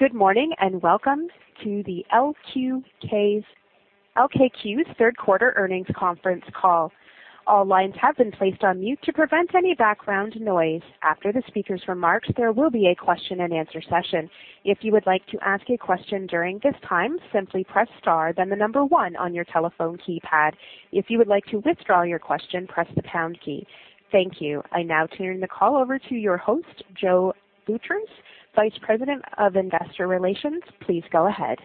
Good morning, welcome to LKQ's third quarter earnings conference call. All lines have been placed on mute to prevent any background noise. After the speaker's remarks, there will be a question and answer session. If you would like to ask a question during this time, simply press star then the number 1 on your telephone keypad. If you would like to withdraw your question, press the pound key. Thank you. I now turn the call over to your host, Joe Boutross, Vice President of Investor Relations. Please go ahead.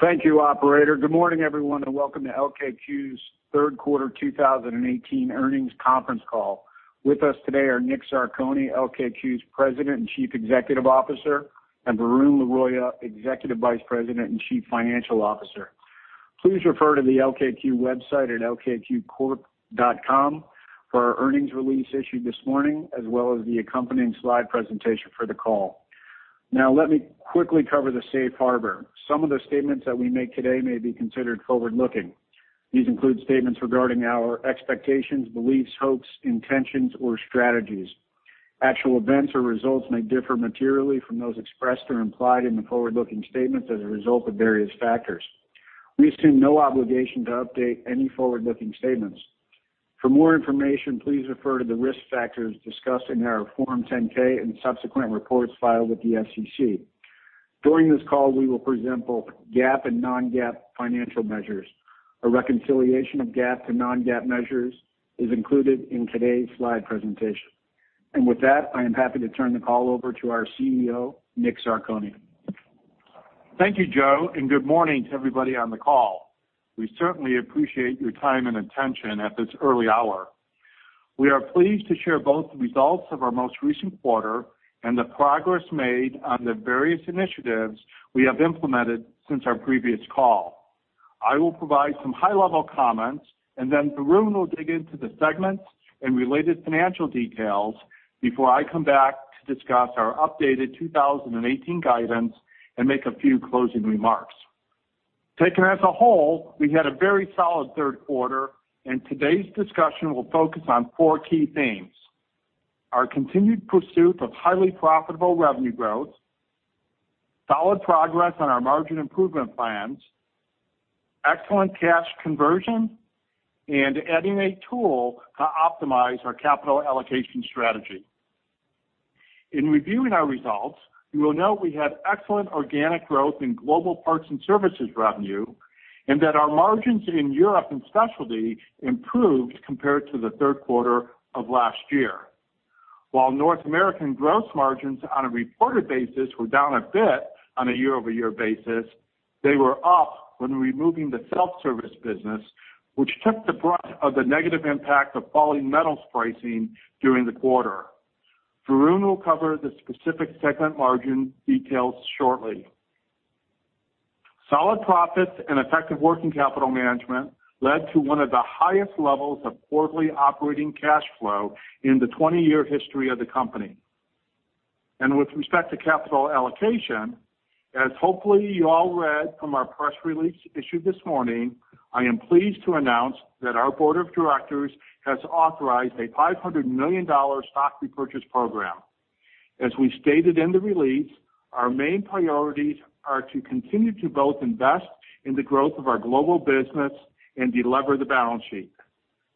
Thank you, operator. Good morning, everyone, welcome to LKQ's third quarter 2018 earnings conference call. With us today are Nick Zarcone, LKQ's President and Chief Executive Officer, and Varun Laroyia, Executive Vice President and Chief Financial Officer. Please refer to the LKQ website at lkqcorp.com for our earnings release issued this morning, as well as the accompanying slide presentation for the call. Let me quickly cover the Safe Harbor. Some of the statements that we make today may be considered forward-looking. These include statements regarding our expectations, beliefs, hopes, intentions, or strategies. Actual events or results may differ materially from those expressed or implied in the forward-looking statements as a result of various factors. We assume no obligation to update any forward-looking statements. For more information, please refer to the risk factors discussed in our Form 10-K and subsequent reports filed with the SEC. During this call, we will present both GAAP and non-GAAP financial measures. A reconciliation of GAAP to non-GAAP measures is included in today's slide presentation. With that, I am happy to turn the call over to our CEO, Nick Zarcone. Thank you, Joe, good morning to everybody on the call. We certainly appreciate your time and attention at this early hour. We are pleased to share both the results of our most recent quarter and the progress made on the various initiatives we have implemented since our previous call. I will provide some high-level comments, then Varun will dig into the segments and related financial details before I come back to discuss our updated 2018 guidance and make a few closing remarks. Taken as a whole, we had a very solid third quarter, today's discussion will focus on four key themes. Our continued pursuit of highly profitable revenue growth, solid progress on our margin improvement plans, excellent cash conversion, and adding a tool to optimize our capital allocation strategy. In reviewing our results, you will note we had excellent organic growth in global parts and services revenue, that our margins in Europe and specialty improved compared to the third quarter of last year. While North American gross margins on a reported basis were down a bit on a year-over-year basis, they were up when removing the self-service business, which took the brunt of the negative impact of falling metals pricing during the quarter. Varun will cover the specific segment margin details shortly. Solid profits and effective working capital management led to one of the highest levels of quarterly operating cash flow in the 20-year history of the company. With respect to capital allocation, as hopefully you all read from our press release issued this morning, I am pleased to announce that our board of directors has authorized a $500 million stock repurchase program. As we stated in the release, our main priorities are to continue to both invest in the growth of our global business and delever the balance sheet.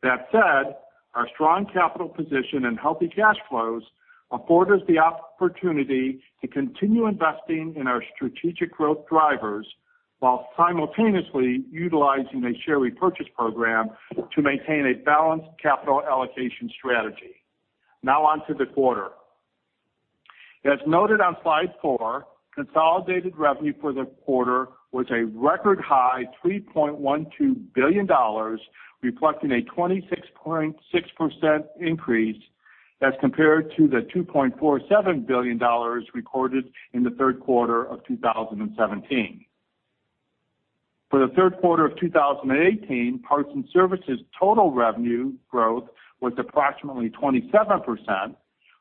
That said, our strong capital position and healthy cash flows afford us the opportunity to continue investing in our strategic growth drivers while simultaneously utilizing a share repurchase program to maintain a balanced capital allocation strategy. Now on to the quarter. As noted on slide four, consolidated revenue for the quarter was a record high $3.12 billion, reflecting a 26.6% increase as compared to the $2.47 billion recorded in the third quarter of 2017. For the third quarter of 2018, parts and services total revenue growth was approximately 27%,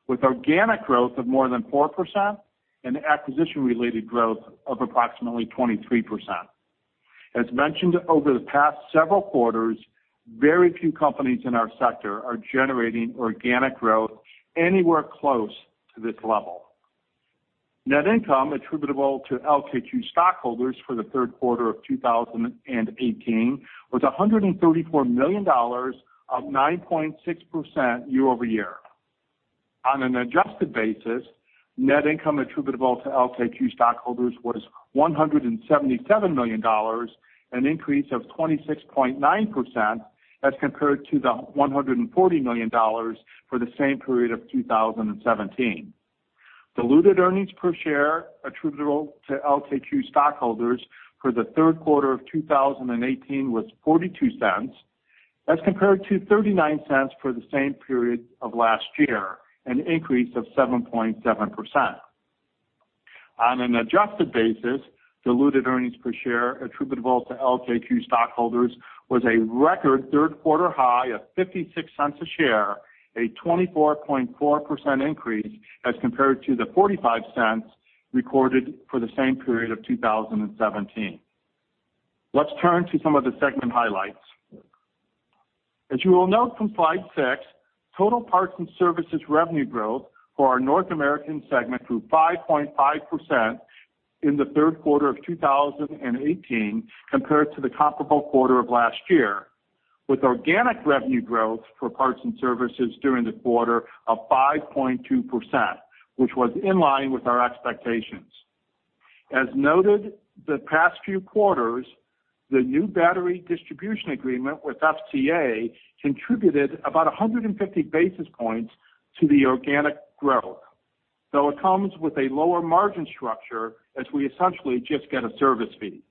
with organic growth of more than 4% and acquisition-related growth of approximately 23%. As mentioned over the past several quarters, very few companies in our sector are generating organic growth anywhere close to this level. Net income attributable to LKQ stockholders for the third quarter of 2018 was $134 million, up 9.6% year-over-year. On an adjusted basis, net income attributable to LKQ stockholders was $177 million, an increase of 26.9% as compared to the $140 million for the same period of 2017. Diluted earnings per share attributable to LKQ stockholders for the third quarter of 2018 was $0.42 as compared to $0.39 for the same period of last year, an increase of 7.7%. On an adjusted basis, diluted earnings per share attributable to LKQ stockholders was a record third quarter high of $0.56 a share, a 24.4% increase as compared to the $0.45 recorded for the same period of 2017. Let's turn to some of the segment highlights. As you will note from slide six, total parts and services revenue growth for our North American segment grew 5.5% in the third quarter of 2018 compared to the comparable quarter of last year, with organic revenue growth for parts and services during the quarter of 5.2%, which was in line with our expectations. As noted the past few quarters, the new battery distribution agreement with FTA contributed about 150 basis points to the organic growth. Though it comes with a lower margin structure as we essentially just get a service fee.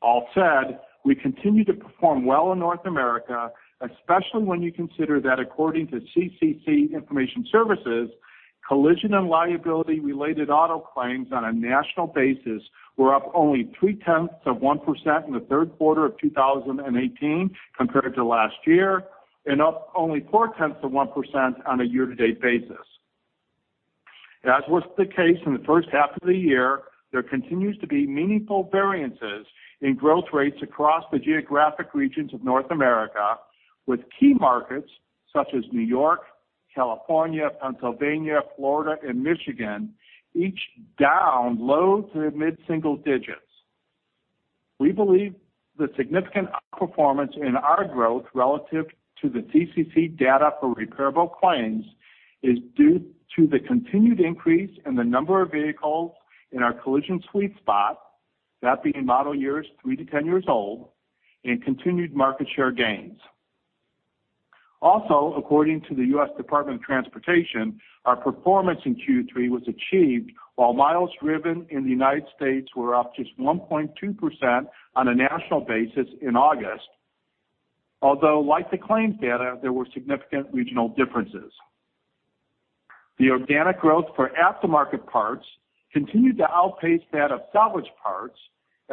All said, we continue to perform well in North America, especially when you consider that according to CCC Information Services, collision and liability-related auto claims on a national basis were up only three tenths of 1% in the third quarter of 2018 compared to last year, and up only four tenths of 1% on a year-to-date basis. As was the case in the first half of the year, there continues to be meaningful variances in growth rates across the geographic regions of North America, with key markets such as New York, California, Pennsylvania, Florida, and Michigan, each down low to mid-single digits. We believe the significant outperformance in our growth relative to the CCC data for repairable claims is due to the continued increase in the number of vehicles in our collision sweet spot, that being model years three to 10 years old, and continued market share gains. According to the U.S. Department of Transportation, our performance in Q3 was achieved while miles driven in the United States were up just 1.2% on a national basis in August. Although, like the claims data, there were significant regional differences. The organic growth for aftermarket parts continued to outpace that of salvage parts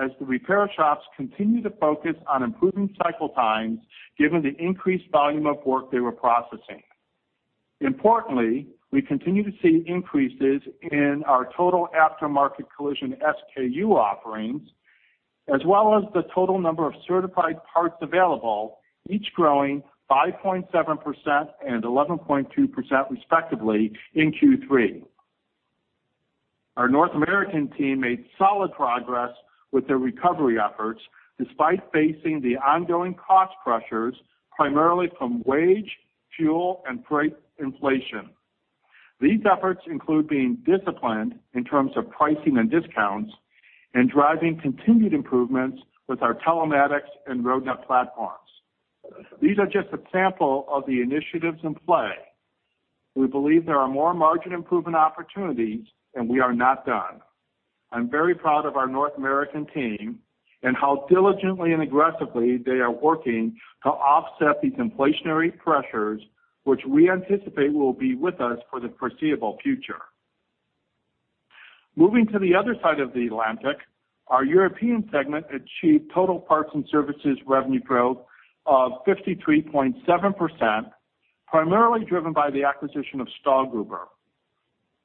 as the repair shops continue to focus on improving cycle times given the increased volume of work they were processing. Importantly, we continue to see increases in our total aftermarket collision SKU offerings as well as the total number of certified parts available, each growing 5.7% and 11.2% respectively in Q3. Our North American team made solid progress with their recovery efforts despite facing the ongoing cost pressures, primarily from wage, fuel, and freight inflation. These efforts include being disciplined in terms of pricing and discounts, and driving continued improvements with our telematics and Roadnet platforms. These are just a sample of the initiatives in play. We believe there are more margin improvement opportunities, and we are not done. I'm very proud of our North American team and how diligently and aggressively they are working to offset these inflationary pressures, which we anticipate will be with us for the foreseeable future. Moving to the other side of the Atlantic, our European segment achieved total parts and services revenue growth of 53.7%, primarily driven by the acquisition of Stahlgruber.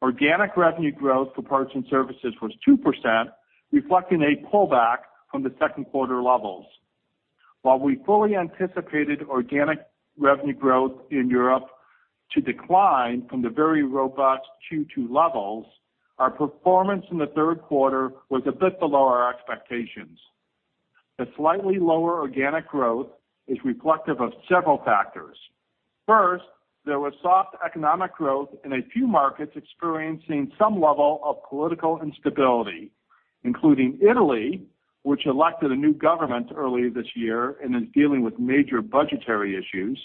Organic revenue growth for parts and services was 2%, reflecting a pullback from the second quarter levels. While we fully anticipated organic revenue growth in Europe to decline from the very robust Q2 levels, our performance in the third quarter was a bit below our expectations. The slightly lower organic growth is reflective of several factors. First, there was soft economic growth in a few markets experiencing some level of political instability, including Italy, which elected a new government earlier this year and is dealing with major budgetary issues,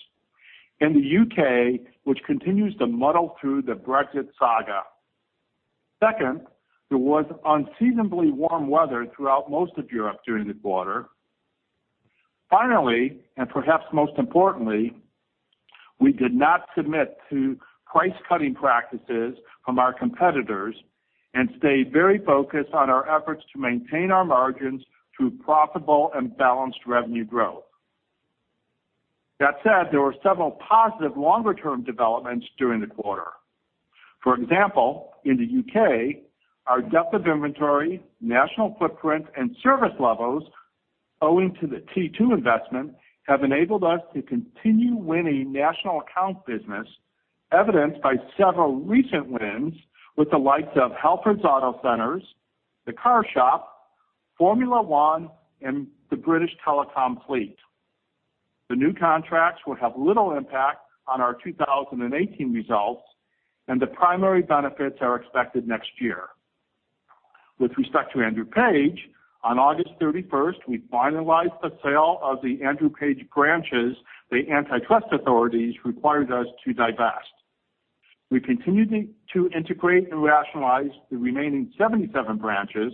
and the U.K., which continues to muddle through the Brexit saga. Second, there was unseasonably warm weather throughout most of Europe during the quarter. Finally, perhaps most importantly, we did not submit to price-cutting practices from our competitors and stayed very focused on our efforts to maintain our margins through profitable and balanced revenue growth. That said, there were several positive longer-term developments during the quarter. For example, in the U.K., our depth of inventory, national footprint, and service levels owing to the T2 investment have enabled us to continue winning national account business, evidenced by several recent wins with the likes of Halfords Autocentres, the CarShop, Formula One, and the BT Fleet Solutions. The new contracts will have little impact on our 2018 results, and the primary benefits are expected next year. With respect to Andrew Page, on August 31st, we finalized the sale of the Andrew Page branches the antitrust authorities required us to divest. We continued to integrate and rationalize the remaining 77 branches,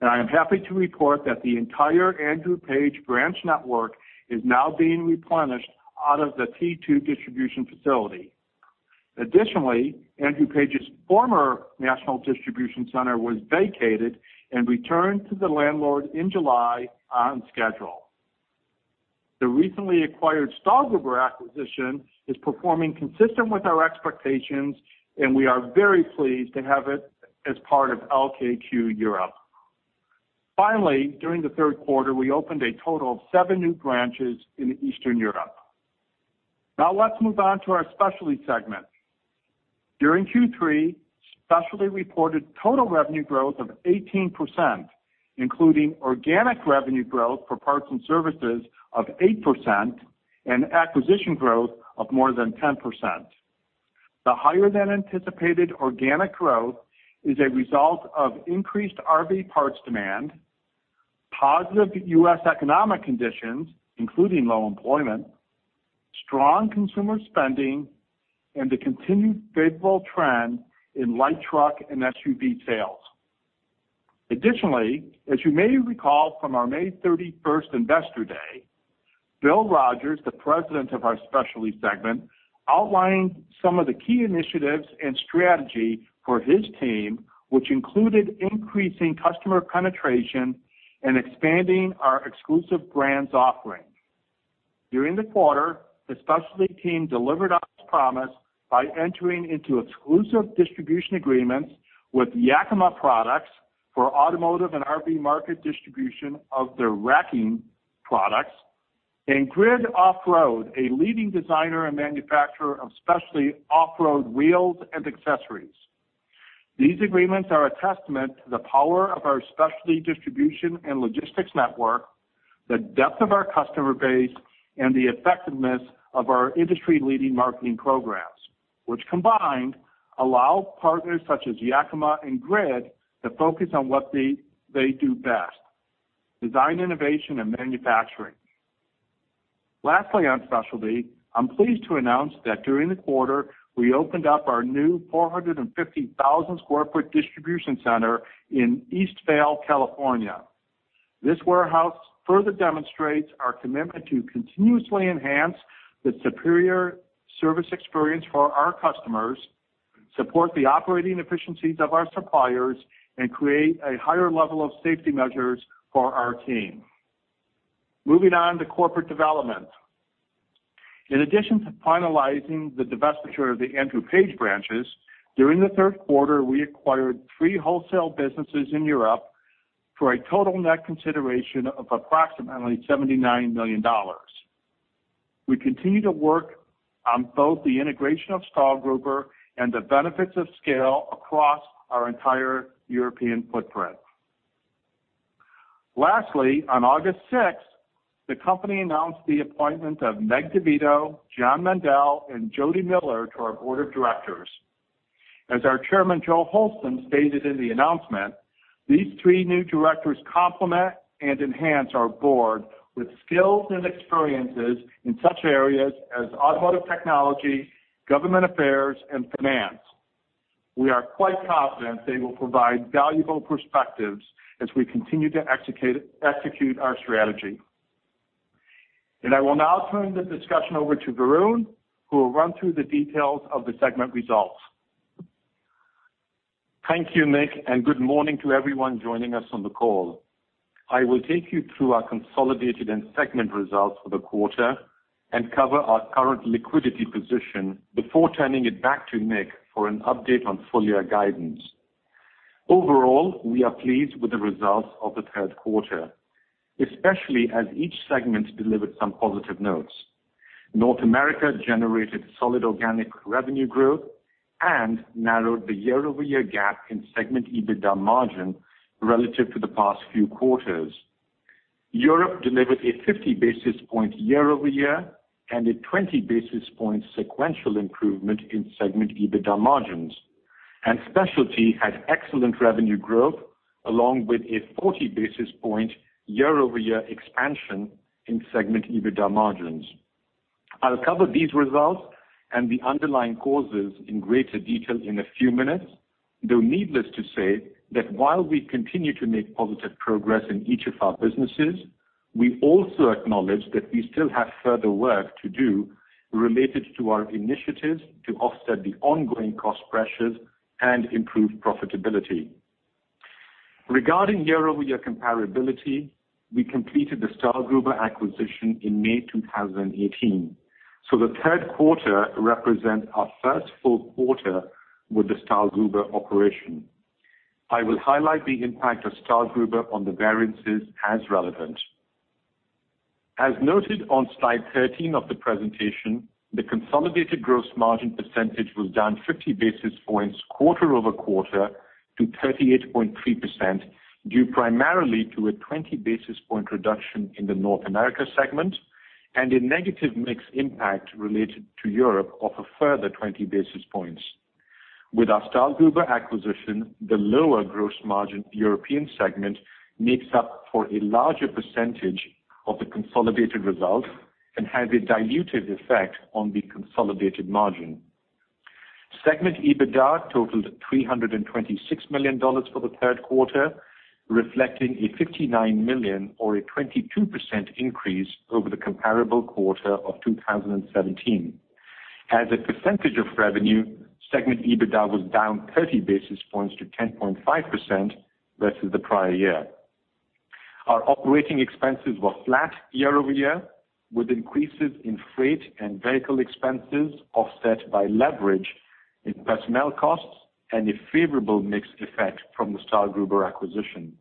and I am happy to report that the entire Andrew Page branch network is now being replenished out of the T2 distribution facility. Additionally, Andrew Page's former national distribution center was vacated and returned to the landlord in July on schedule. The recently acquired Stahlgruber acquisition is performing consistent with our expectations, and we are very pleased to have it as part of LKQ Europe. During the third quarter, we opened a total of seven new branches in Eastern Europe. Now let's move on to our specialty segment. During Q3, specialty reported total revenue growth of 18%, including organic revenue growth for parts and services of 8% and acquisition growth of more than 10%. The higher than anticipated organic growth is a result of increased RV parts demand, positive U.S. economic conditions, including low employment, strong consumer spending, and the continued favorable trend in light truck and SUV sales. Additionally, as you may recall from our May 31st Investor Day, Bill Rogers, the president of our specialty segment, outlined some of the key initiatives and strategy for his team, which included increasing customer penetration and expanding our exclusive brands offering. During the quarter, the specialty team delivered on its promise by entering into exclusive distribution agreements with Yakima Products for automotive and RV market distribution of their racking products, and GRID Off-Road, a leading designer and manufacturer of specialty off-road wheels and accessories. These agreements are a testament to the power of our specialty distribution and logistics network, the depth of our customer base, and the effectiveness of our industry-leading marketing programs, which combined, allow partners such as Yakima and GRID to focus on what they do best, design innovation and manufacturing. Lastly, on specialty, I'm pleased to announce that during the quarter, we opened up our new 450,000 square foot distribution center in Eastvale, California. This warehouse further demonstrates our commitment to continuously enhance the superior service experience for our customers, support the operating efficiencies of our suppliers, and create a higher level of safety measures for our team. Moving on to corporate development. In addition to finalizing the divestiture of the Andrew Page branches, during the third quarter, we acquired three wholesale businesses in Europe for a total net consideration of approximately $79 million. We continue to work on both the integration of Stahlgruber and the benefits of scale across our entire European footprint. Lastly, on August 6th, the company announced the appointment of Meg Divitto, John Mendel, and Jodi Miller to our board of directors. As our chairman, Joe Holsten, stated in the announcement, these three new directors complement and enhance our board with skills and experiences in such areas as automotive technology, government affairs and finance. We are quite confident they will provide valuable perspectives as we continue to execute our strategy. I will now turn the discussion over to Varun, who will run through the details of the segment results. Thank you, Nick, and good morning to everyone joining us on the call. I will take you through our consolidated and segment results for the quarter and cover our current liquidity position before turning it back to Nick for an update on full-year guidance. Overall, we are pleased with the results of the third quarter, especially as each segment delivered some positive notes. North America generated solid organic revenue growth and narrowed the year-over-year gap in segment EBITDA margin relative to the past few quarters. Europe delivered a 50 basis point year-over-year and a 20 basis point sequential improvement in segment EBITDA margins. Specialty had excellent revenue growth along with a 40 basis point year-over-year expansion in segment EBITDA margins. I'll cover these results and the underlying causes in greater detail in a few minutes, though needless to say that while we continue to make positive progress in each of our businesses, we also acknowledge that we still have further work to do related to our initiatives to offset the ongoing cost pressures and improve profitability. Regarding year-over-year comparability, we completed the Stahlgruber acquisition in May 2018, so the third quarter represents our first full quarter with the Stahlgruber operation. I will highlight the impact of Stahlgruber on the variances as relevant. As noted on slide 13 of the presentation, the consolidated gross margin percentage was down 50 basis points quarter-over-quarter to 38.3%, due primarily to a 20 basis point reduction in the North America segment and a negative mix impact related to Europe of a further 20 basis points. With our Stahlgruber acquisition, the lower gross margin European segment makes up for a larger percentage of the consolidated result and has a dilutive effect on the consolidated margin. Segment EBITDA totaled $326 million for the third quarter, reflecting a $59 million, or a 22% increase over the comparable quarter of 2017. As a percentage of revenue, segment EBITDA was down 30 basis points to 10.5% versus the prior year. Our operating expenses were flat year-over-year, with increases in freight and vehicle expenses offset by leverage in personnel costs and a favorable mixed effect from the Stahlgruber acquisition.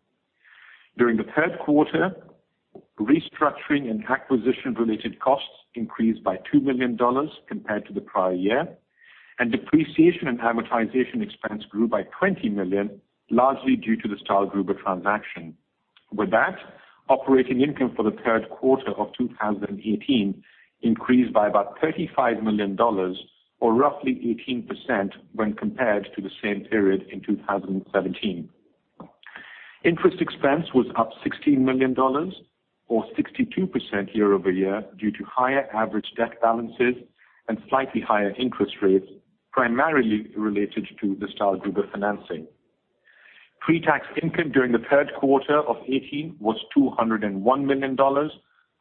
During the third quarter, restructuring and acquisition-related costs increased by $2 million compared to the prior year, and depreciation and amortization expense grew by $20 million, largely due to the Stahlgruber transaction. With that, operating income for the third quarter of 2018 increased by about $35 million or roughly 18% when compared to the same period in 2017. Interest expense was up $16 million or 62% year-over-year due to higher average debt balances and slightly higher interest rates, primarily related to the Stahlgruber financing. Pre-tax income during the third quarter of 2018 was $201 million,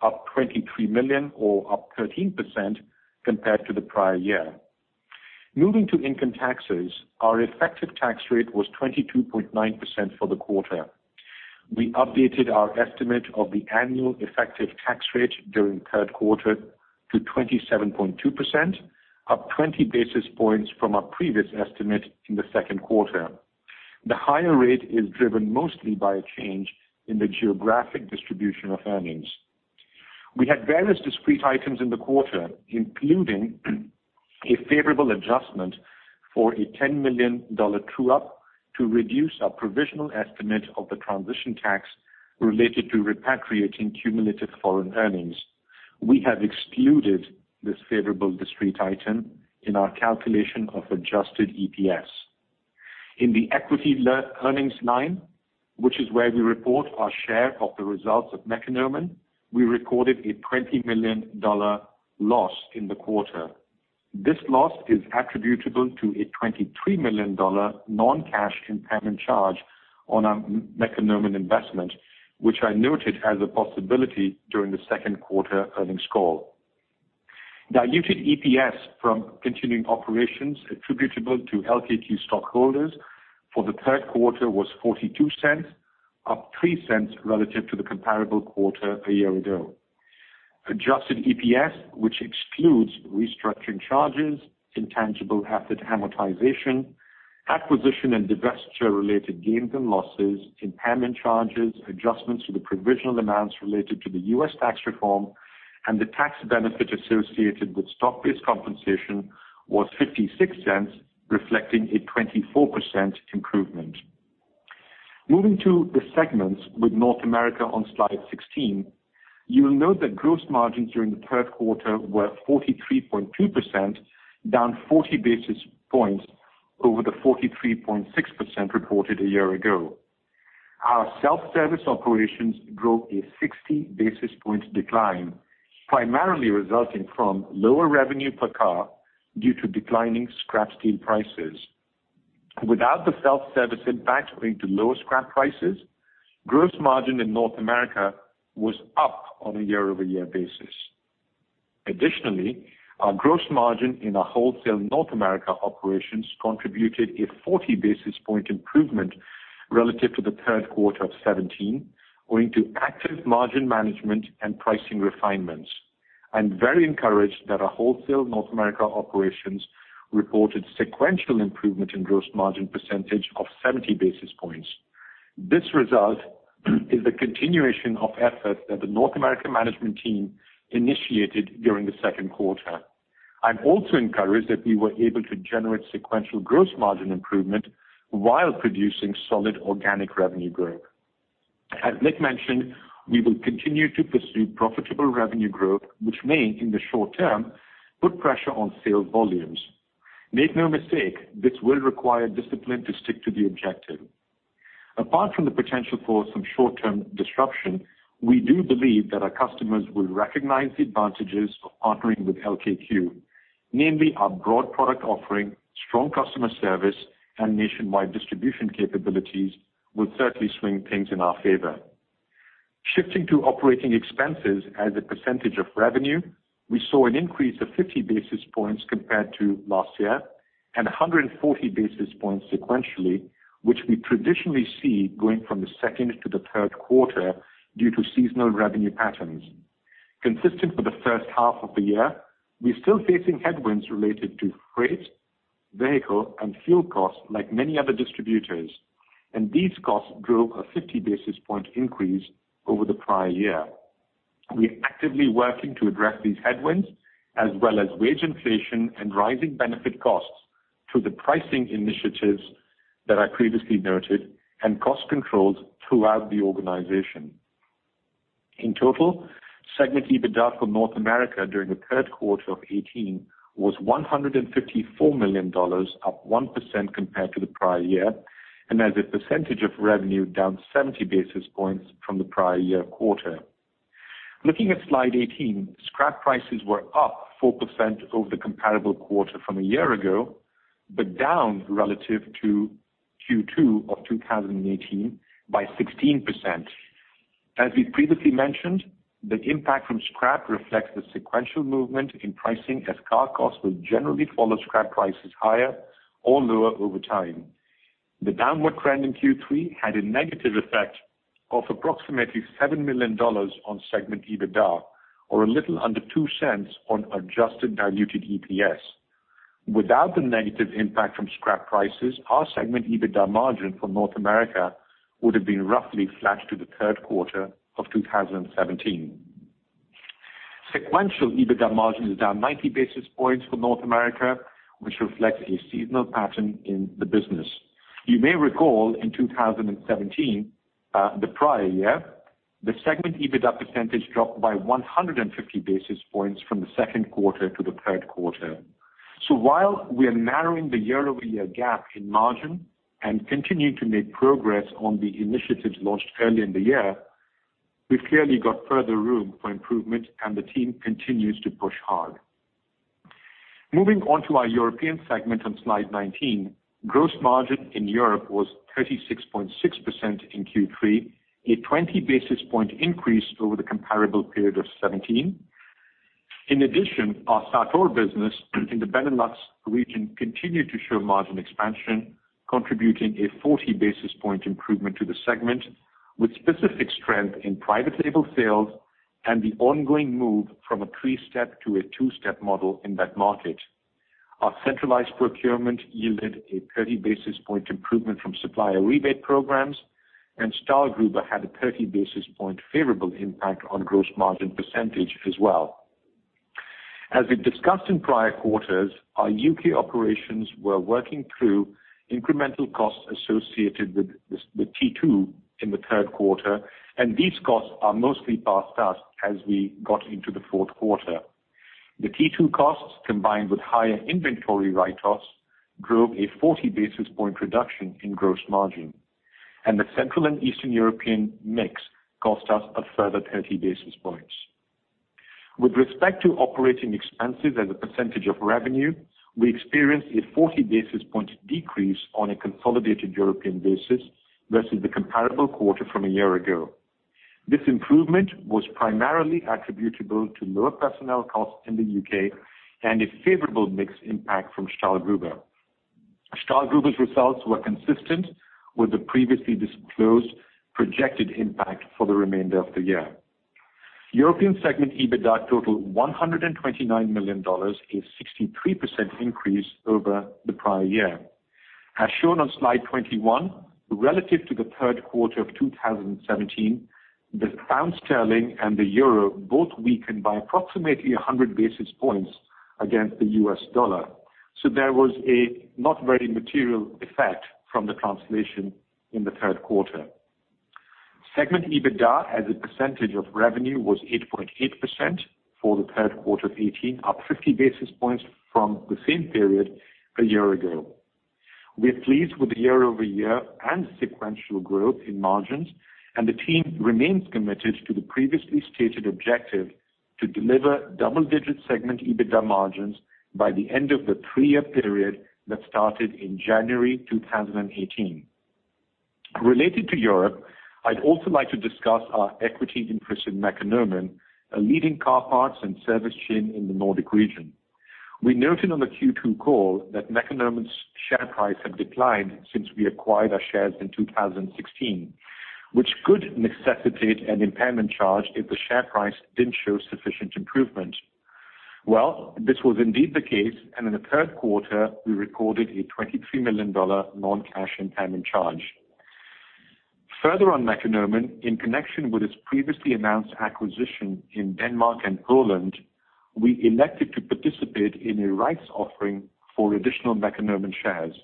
up $23 million or up 13% compared to the prior year. Moving to income taxes, our effective tax rate was 22.9% for the quarter. We updated our estimate of the annual effective tax rate during third quarter to 27.2%, up 20 basis points from our previous estimate in the second quarter. The higher rate is driven mostly by a change in the geographic distribution of earnings. We had various discrete items in the quarter, including a favorable adjustment for a $10 million true-up to reduce our provisional estimate of the transition tax related to repatriating cumulative foreign earnings. We have excluded this favorable discrete item in our calculation of adjusted EPS. In the equity earnings line, which is where we report our share of the results of Mekonomen, we recorded a $20 million loss in the quarter. This loss is attributable to a $23 million non-cash impairment charge on our Mekonomen investment, which I noted as a possibility during the second quarter earnings call. Diluted EPS from continuing operations attributable to LKQ stockholders for the third quarter was $0.42, up $0.03 relative to the comparable quarter a year ago. Adjusted EPS, which excludes restructuring charges, intangible asset amortization, acquisition and divestiture-related gains and losses, impairment charges, adjustments to the provisional amounts related to the U.S. tax reform, and the tax benefit associated with stock-based compensation, was $0.56, reflecting a 24% improvement. Moving to the segments with North America on slide 16. You will note that gross margins during the third quarter were 43.2%, down 40 basis points over the 43.6% reported a year ago. Our self-service operations drove a 60 basis points decline, primarily resulting from lower revenue per car due to declining scrap steel prices. Without the self-service impact owing to lower scrap prices, gross margin in North America was up on a year-over-year basis. Additionally, our gross margin in our wholesale North America operations contributed a 40 basis point improvement relative to the third quarter of 2017, owing to active margin management and pricing refinements. I'm very encouraged that our wholesale North America operations reported sequential improvement in gross margin percentage of 70 basis points. This result is a continuation of efforts that the North American management team initiated during the second quarter. I'm also encouraged that we were able to generate sequential gross margin improvement while producing solid organic revenue growth. As Nick mentioned, we will continue to pursue profitable revenue growth, which may, in the short term, put pressure on sales volumes. Make no mistake, this will require discipline to stick to the objective. Apart from the potential for some short-term disruption, we do believe that our customers will recognize the advantages of partnering with LKQ. Namely, our broad product offering, strong customer service, and nationwide distribution capabilities will certainly swing things in our favor. Shifting to operating expenses as a percentage of revenue, we saw an increase of 50 basis points compared to last year and 140 basis points sequentially, which we traditionally see going from the second to the third quarter due to seasonal revenue patterns. Consistent for the first half of the year, we're still facing headwinds related to freight, vehicle, and fuel costs like many other distributors, and these costs drove a 50 basis point increase over the prior year. We are actively working to address these headwinds, as well as wage inflation and rising benefit costs through the pricing initiatives that I previously noted and cost controls throughout the organization. In total, segment EBITDA for North America during the third quarter of 2018 was $154 million, up 1% compared to the prior year, and as a percentage of revenue, down 70 basis points from the prior year quarter. Looking at slide 18, scrap prices were up 4% over the comparable quarter from a year ago, but down relative to Q2 of 2018 by 16%. As we previously mentioned. The impact from scrap reflects the sequential movement in pricing as car costs will generally follow scrap prices higher or lower over time. The downward trend in Q3 had a negative effect of approximately $7 million on segment EBITDA, or a little under $0.02 on adjusted diluted EPS. Without the negative impact from scrap prices, our segment EBITDA margin for North America would have been roughly flat to the third quarter of 2017. Sequential EBITDA margin is down 90 basis points for North America, which reflects a seasonal pattern in the business. You may recall in 2017, the prior year, the segment EBITDA percentage dropped by 150 basis points from the second quarter to the third quarter. While we are narrowing the year-over-year gap in margin and continuing to make progress on the initiatives launched early in the year, we've clearly got further room for improvement and the team continues to push hard. Moving on to our European segment on slide 19. Gross margin in Europe was 36.6% in Q3, a 20 basis point increase over the comparable period of 2017. In addition, our Sator business in the Benelux region continued to show margin expansion, contributing a 40 basis point improvement to the segment, with specific strength in private label sales and the ongoing move from a three-step to a two-step model in that market. Our centralized procurement yielded a 30 basis point improvement from supplier rebate programs, and Stahlgruber had a 30 basis point favorable impact on gross margin percentage as well. As we discussed in prior quarters, our U.K. operations were working through incremental costs associated with T2 in the third quarter, and these costs are mostly past us as we got into the fourth quarter. The T2 costs, combined with higher inventory write-offs, drove a 40 basis point reduction in gross margin. The Central and Eastern European mix cost us a further 30 basis points. With respect to operating expenses as a percentage of revenue, we experienced a 40 basis point decrease on a consolidated European basis versus the comparable quarter from a year ago. This improvement was primarily attributable to lower personnel costs in the U.K. and a favorable mix impact from Stahlgruber. Stahlgruber's results were consistent with the previously disclosed projected impact for the remainder of the year. European segment EBITDA totaled $129 million, a 63% increase over the prior year. As shown on slide 21, relative to the third quarter of 2017, the pound sterling and the euro both weakened by approximately 100 basis points against the US dollar. There was a not very material effect from the translation in the third quarter. Segment EBITDA as a percentage of revenue was 8.8% for the third quarter of 2018, up 50 basis points from the same period a year ago. We are pleased with the year-over-year and sequential growth in margins, and the team remains committed to the previously stated objective to deliver double-digit segment EBITDA margins by the end of the three-year period that started in January 2018. Related to Europe, I'd also like to discuss our equity interest in Mekonomen, a leading car parts and service chain in the Nordic region. We noted on the Q2 call that Mekonomen's share price had declined since we acquired our shares in 2016, which could necessitate an impairment charge if the share price didn't show sufficient improvement. Well, this was indeed the case, and in the third quarter, we recorded a $23 million non-cash impairment charge. Further on Mekonomen, in connection with its previously announced acquisition in Denmark and Ireland, we elected to participate in a rights offering for additional Mekonomen shares.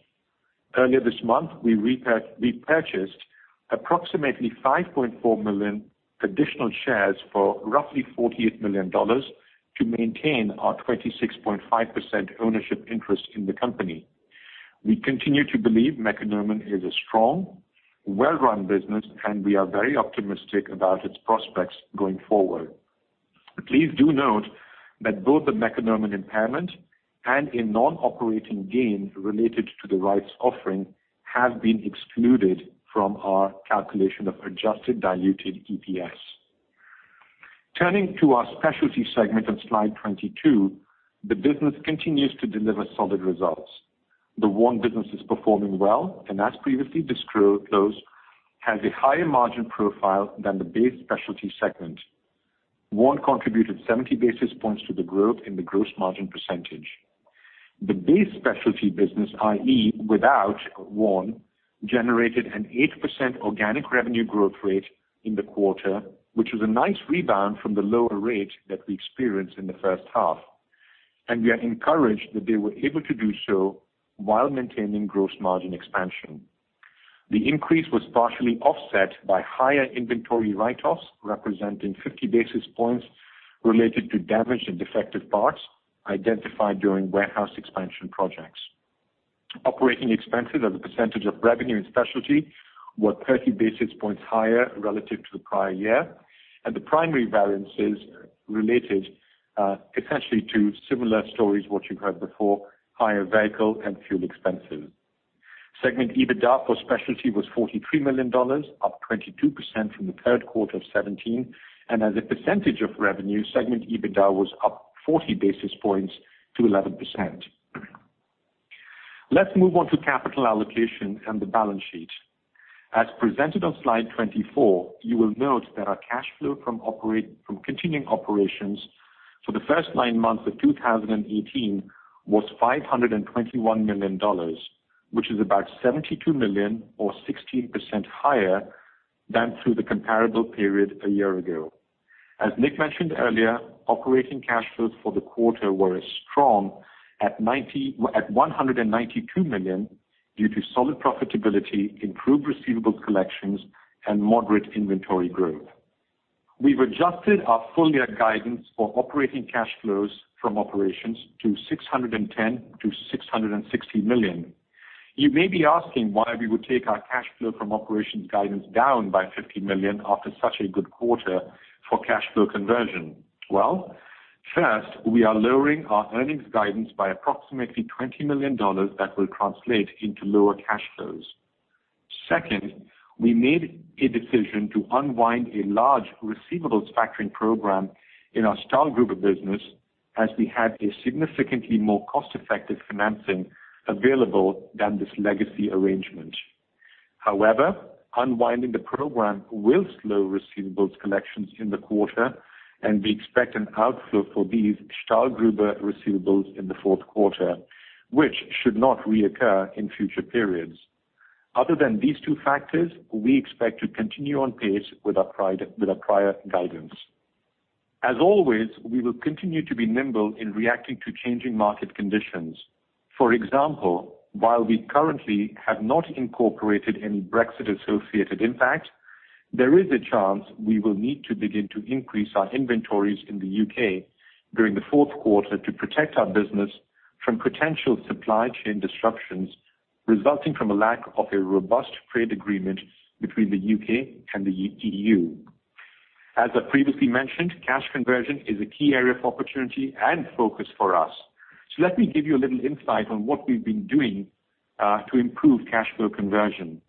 Earlier this month, we repurchased approximately 5.4 million additional shares for roughly $48 million to maintain our 26.5% ownership interest in the company. We continue to believe Mekonomen is a strong, well-run business, and we are very optimistic about its prospects going forward. Please do note that both the Mekonomen impairment and a non-operating gain related to the rights offering have been excluded from our calculation of adjusted diluted EPS. Turning to our specialty segment on slide 22, the business continues to deliver solid results. The Warn business is performing well, and as previously disclosed, has a higher margin profile than the base specialty segment. Warn contributed 70 basis points to the growth in the gross margin percentage. The base specialty business, i.e., without Warn, generated an 8% organic revenue growth rate in the quarter, which was a nice rebound from the lower rate that we experienced in the first half. We are encouraged that they were able to do so while maintaining gross margin expansion. The increase was partially offset by higher inventory write-offs, representing 50 basis points related to damaged and defective parts identified during warehouse expansion projects. Operating expenses as a percentage of revenue and specialty were 30 basis points higher relative to the prior year, and the primary variance is related potentially to similar stories what you've heard before, higher vehicle and fuel expenses. Segment EBITDA for specialty was $43 million, up 22% from the third quarter of 2017, and as a percentage of revenue, segment EBITDA was up 40 basis points to 11%. Let's move on to capital allocation and the balance sheet. As presented on slide 24, you will note that our cash flow from continuing operations for the first nine months of 2018 was $521 million, which is about $72 million or 16% higher than through the comparable period a year ago. As Nick mentioned earlier, operating cash flows for the quarter were strong at $192 million due to solid profitability, improved receivables collections, and moderate inventory growth. We've adjusted our full-year guidance for operating cash flows from operations to $610 million-$660 million. You may be asking why we would take our cash flow from operations guidance down by $50 million after such a good quarter for cash flow conversion. Well, first, we are lowering our earnings guidance by approximately $20 million that will translate into lower cash flows. Second, we made a decision to unwind a large receivables factoring program in our Stahlgruber business as we had a significantly more cost-effective financing available than this legacy arrangement. However, unwinding the program will slow receivables collections in the quarter, and we expect an outflow for these Stahlgruber receivables in the fourth quarter, which should not reoccur in future periods. Other than these two factors, we expect to continue on pace with our prior guidance. As always, we will continue to be nimble in reacting to changing market conditions. For example, while we currently have not incorporated any Brexit-associated impact, there is a chance we will need to begin to increase our inventories in the U.K. during the fourth quarter to protect our business from potential supply chain disruptions resulting from a lack of a robust trade agreement between the U.K. and the EU. As I previously mentioned, cash conversion is a key area of opportunity and focus for us. Let me give you a little insight on what we've been doing to improve cash flow conversion.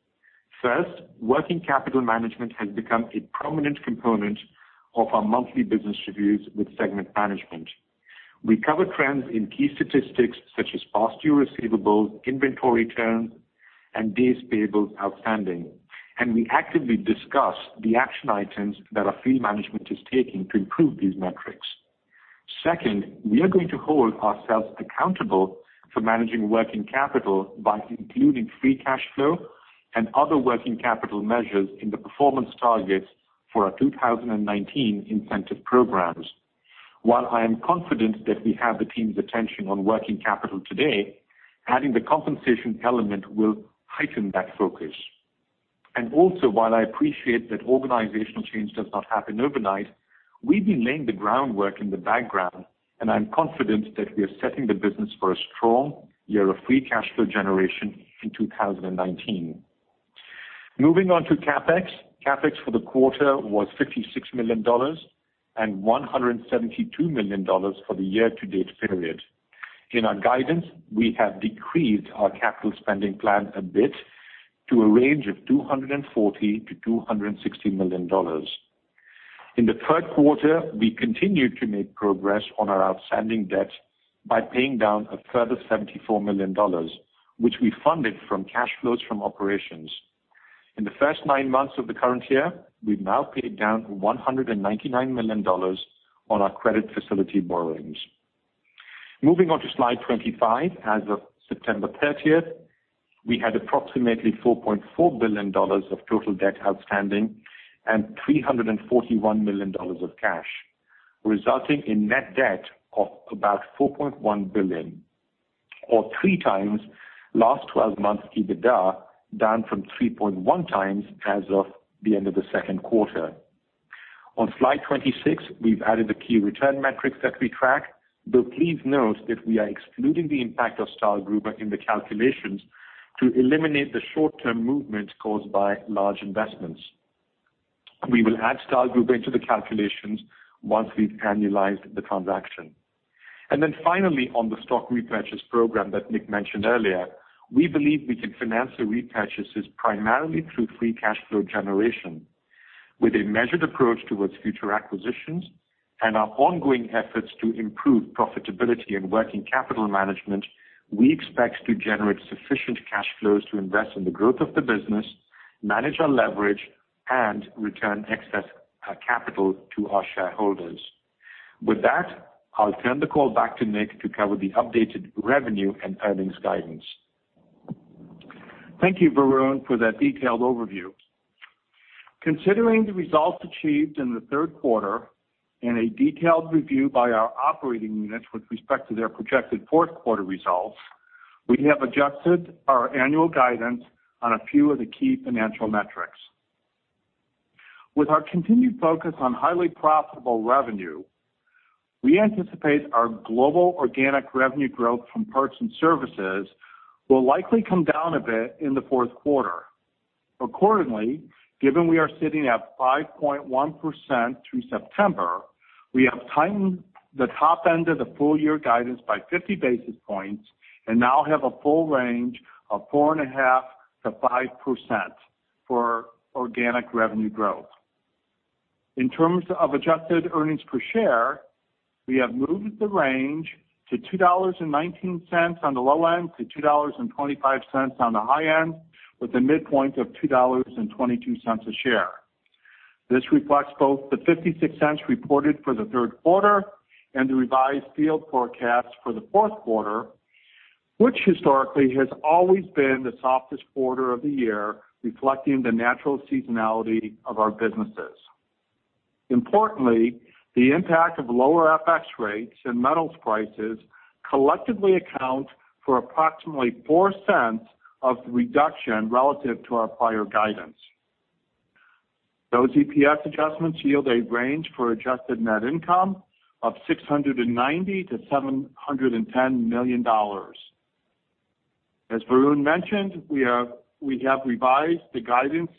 First, working capital management has become a prominent component of our monthly business reviews with segment management. We cover trends in key statistics such as past due receivables, inventory turns, and days payables outstanding, and we actively discuss the action items that our field management is taking to improve these metrics. Second, we are going to hold ourselves accountable for managing working capital by including free cash flow and other working capital measures in the performance targets for our 2019 incentive programs. While I am confident that we have the team's attention on working capital today, adding the compensation element will heighten that focus. Also, while I appreciate that organizational change does not happen overnight, we've been laying the groundwork in the background, and I'm confident that we are setting the business for a strong year of free cash flow generation in 2019. Moving on to CapEx. CapEx for the quarter was $56 million and $172 million for the year-to-date period. In our guidance, we have decreased our capital spending plan a bit to a range of $240 million-$260 million. In the third quarter, we continued to make progress on our outstanding debt by paying down a further $74 million, which we funded from cash flows from operations. In the first nine months of the current year, we've now paid down $199 million on our credit facility borrowings. Moving on to slide 25. As of September 30th, we had approximately $4.4 billion of total debt outstanding and $341 million of cash, resulting in net debt of about $4.1 billion, or three times last 12 months EBITDA, down from 3.1 times as of the end of the second quarter. On slide 26, we've added the key return metrics that we track, but please note that we are excluding the impact of Stahlgruber in the calculations to eliminate the short-term movement caused by large investments. We will add Stahlgruber into the calculations once we've annualized the transaction. Then finally, on the stock repurchase program that Nick mentioned earlier, we believe we can finance the repurchases primarily through free cash flow generation. With a measured approach towards future acquisitions and our ongoing efforts to improve profitability and working capital management, we expect to generate sufficient cash flows to invest in the growth of the business, manage our leverage, and return excess capital to our shareholders. With that, I'll turn the call back to Nick to cover the updated revenue and earnings guidance. Thank you, Varun, for that detailed overview. Considering the results achieved in the third quarter and a detailed review by our operating units with respect to their projected fourth quarter results, we have adjusted our annual guidance on a few of the key financial metrics. With our continued focus on highly profitable revenue, we anticipate our global organic revenue growth from parts and services will likely come down a bit in the fourth quarter. Accordingly, given we are sitting at 5.1% through September, we have tightened the top end of the full-year guidance by 50 basis points and now have a full range of 4.5%-5% for organic revenue growth. In terms of adjusted earnings per share, we have moved the range to $2.19 on the low end to $2.25 on the high end with a midpoint of $2.22 a share. This reflects both the $0.56 reported for the third quarter and the revised field forecast for the fourth quarter, which historically has always been the softest quarter of the year, reflecting the natural seasonality of our businesses. Importantly, the impact of lower FX rates and metals prices collectively account for approximately $0.04 of the reduction relative to our prior guidance. Those EPS adjustments yield a range for adjusted net income of $690 million-$710 million. As Varun mentioned, we have revised the guidance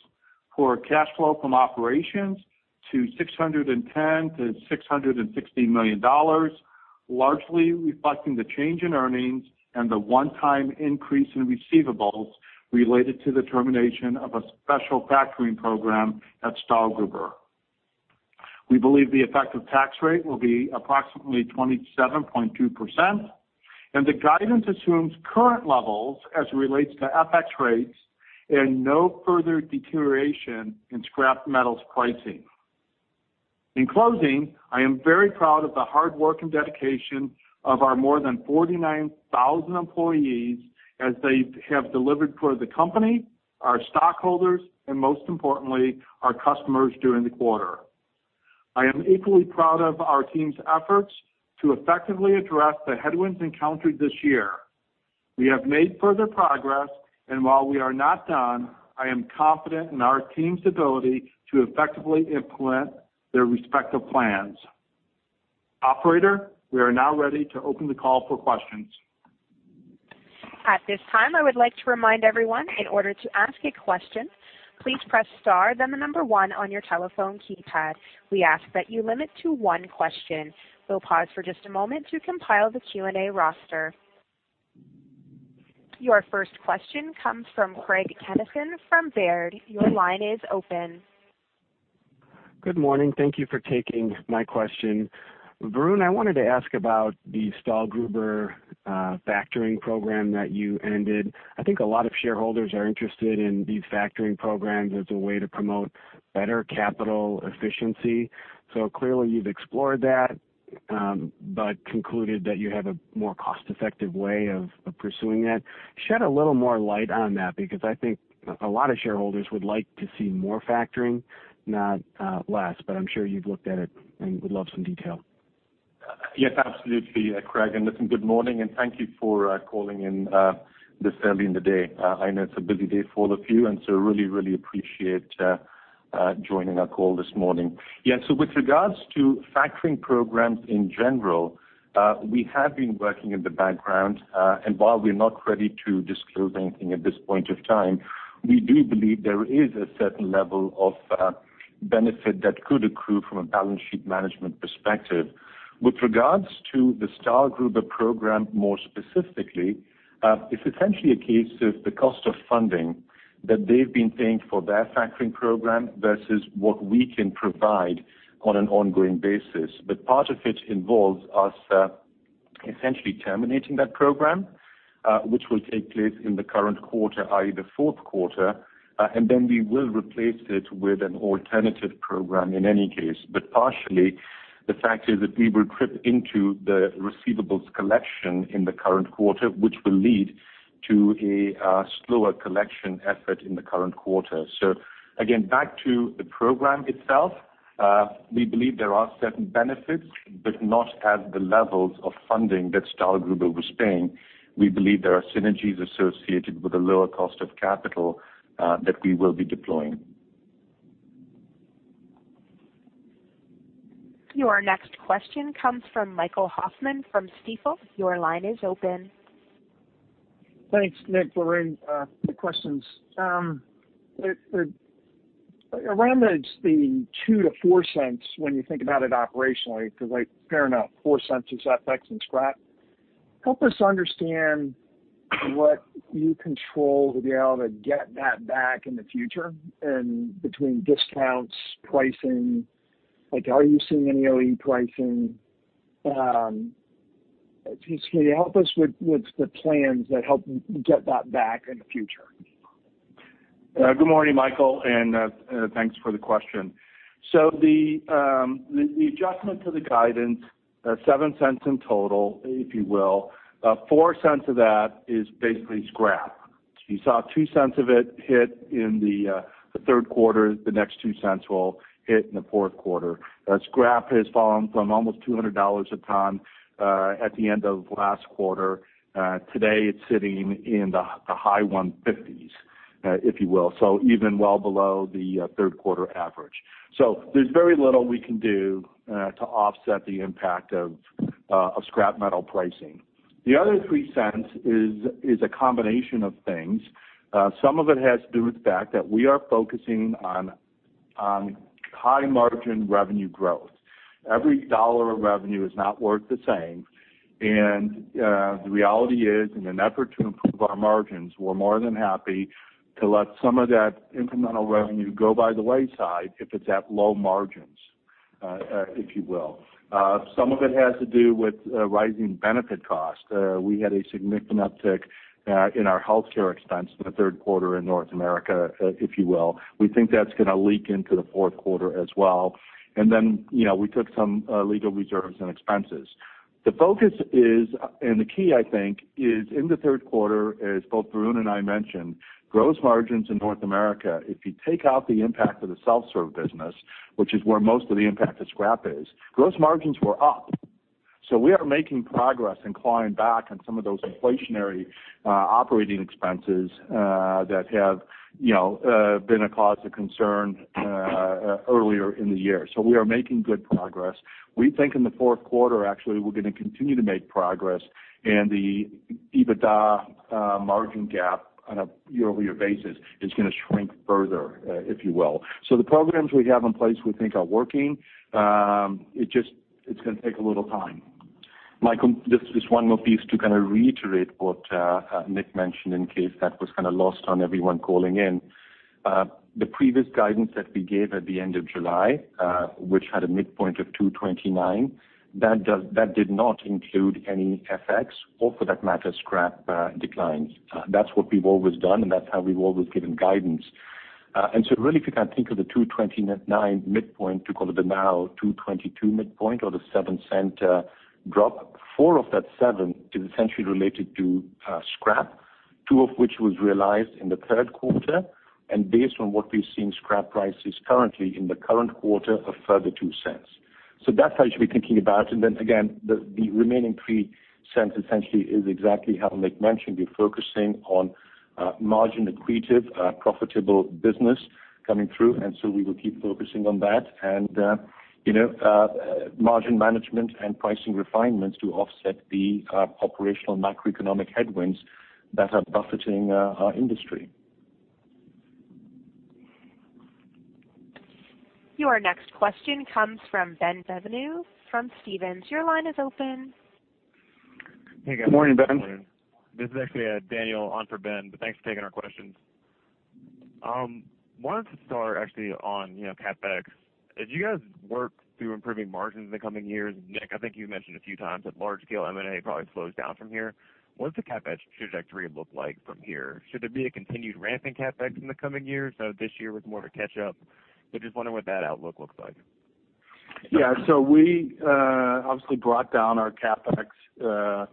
for cash flow from operations to $610 million-$660 million, largely reflecting the change in earnings and the one-time increase in receivables related to the termination of a special factoring program at Stahlgruber. We believe the effective tax rate will be approximately 27.2%, and the guidance assumes current levels as it relates to FX rates and no further deterioration in scrap metals pricing. In closing, I am very proud of the hard work and dedication of our more than 49,000 employees as they have delivered for the company, our stockholders, and most importantly, our customers during the quarter. I am equally proud of our team's efforts to effectively address the headwinds encountered this year. We have made further progress, and while we are not done, I am confident in our team's ability to effectively implement their respective plans. Operator, we are now ready to open the call for questions. At this time, I would like to remind everyone, in order to ask a question, please press star then the number one on your telephone keypad. We ask that you limit to one question. We'll pause for just a moment to compile the Q&A roster. Your first question comes from Craig Kennison from Baird. Your line is open. Good morning. Thank you for taking my question. Varun, I wanted to ask about the Stahlgruber factoring program that you ended. I think a lot of shareholders are interested in these factoring programs as a way to promote better capital efficiency. Clearly you've explored that, but concluded that you have a more cost-effective way of pursuing that. Shed a little more light on that, because I think a lot of shareholders would like to see more factoring, not less, but I'm sure you've looked at it and would love some detail. Yes, absolutely, Craig. Listen, good morning, and thank you for calling in this early in the day. I know it's a busy day for all of you, and so really, really appreciate joining our call this morning. Yeah. With regards to factoring programs in general, we have been working in the background. While we're not ready to disclose anything at this point of time, we do believe there is a certain level of benefit that could accrue from a balance sheet management perspective. With regards to the Stahlgruber program more specifically, it's essentially a case of the cost of funding that they've been paying for their factoring program versus what we can provide on an ongoing basis. Part of it involves us essentially terminating that program, which will take place in the current quarter, i.e., the fourth quarter, and then we will replace it with an alternative program in any case. Partially, the fact is that we will trip into the receivables collection in the current quarter, which will lead to a slower collection effort in the current quarter. Again, back to the program itself, we believe there are certain benefits, but not at the levels of funding that Stahlgruber was paying. We believe there are synergies associated with a lower cost of capital that we will be deploying. Your next question comes from Michael Hoffman from Stifel. Your line is open. Thanks, Nick, Varun. Two questions. Around the $0.02-$0.04, when you think about it operationally, because fair enough, $0.04 is FX and scrap. Help us understand what you control to be able to get that back in the future, and between discounts, pricing. Are you seeing any OE pricing? Can you help us with the plans that help get that back in the future? Good morning, Michael, and thanks for the question. The adjustment to the guidance, $0.07 in total, if you will, $0.04 of that is basically scrap. You saw $0.02 of it hit in the third quarter. The next $0.02 will hit in the fourth quarter. Scrap has fallen from almost $200 a ton at the end of last quarter. Today it's sitting in the high 150s, if you will. Even well below the third quarter average. There's very little we can do to offset the impact of scrap metal pricing. The other $0.03 is a combination of things. Some of it has to do with the fact that we are focusing on high-margin revenue growth. Every dollar of revenue is not worth the same, and the reality is, in an effort to improve our margins, we're more than happy to let some of that incremental revenue go by the wayside if it's at low margins, if you will. Some of it has to do with rising benefit costs. We had a significant uptick in our healthcare expense in the third quarter in North America, if you will. We think that's going to leak into the fourth quarter as well. Then we took some legal reserves and expenses. The focus is, and the key, I think, is in the third quarter, as both Varun and I mentioned, gross margins in North America, if you take out the impact of the self-serve business, which is where most of the impact of scrap is, gross margins were up. We are making progress in clawing back on some of those inflationary operating expenses that have been a cause of concern earlier in the year. We are making good progress. We think in the fourth quarter, actually, we're going to continue to make progress, and the EBITDA margin gap on a year-over-year basis is going to shrink further, if you will. The programs we have in place we think are working. It's just going to take a little time. Michael, just one more piece to kind of reiterate what Nick Zarcone mentioned in case that was kind of lost on everyone calling in. The previous guidance that we gave at the end of July, which had a midpoint of 229, that did not include any FX or, for that matter, scrap declines. That's what we've always done, that's how we've always given guidance. Really, if you can think of the 229 midpoint to kind of the now 222 midpoint or the $0.07 drop, 4 of that $0.07 is essentially related to scrap, 2 of which was realized in the third quarter. Based on what we've seen scrap prices currently in the current quarter, a further $0.02. That's how you should be thinking about it. Again, the remaining $0.03 essentially is exactly how Nick Zarcone mentioned. We're focusing on margin-accretive, profitable business coming through, and so we will keep focusing on that. Margin management and pricing refinements to offset the operational macroeconomic headwinds that are buffeting our industry. Your next question comes from Ben Bienvenu from Stephens. Your line is open. Morning, Ben. Morning. This is actually Daniel on for Ben. Thanks for taking our questions. Wanted to start actually on CapEx. As you guys work through improving margins in the coming years, Nick, I think you mentioned a few times that large-scale M&A probably slows down from here. What does the CapEx trajectory look like from here? Should there be a continued ramp in CapEx in the coming years? This year was more to catch up. Just wondering what that outlook looks like. Yeah. We obviously brought down our CapEx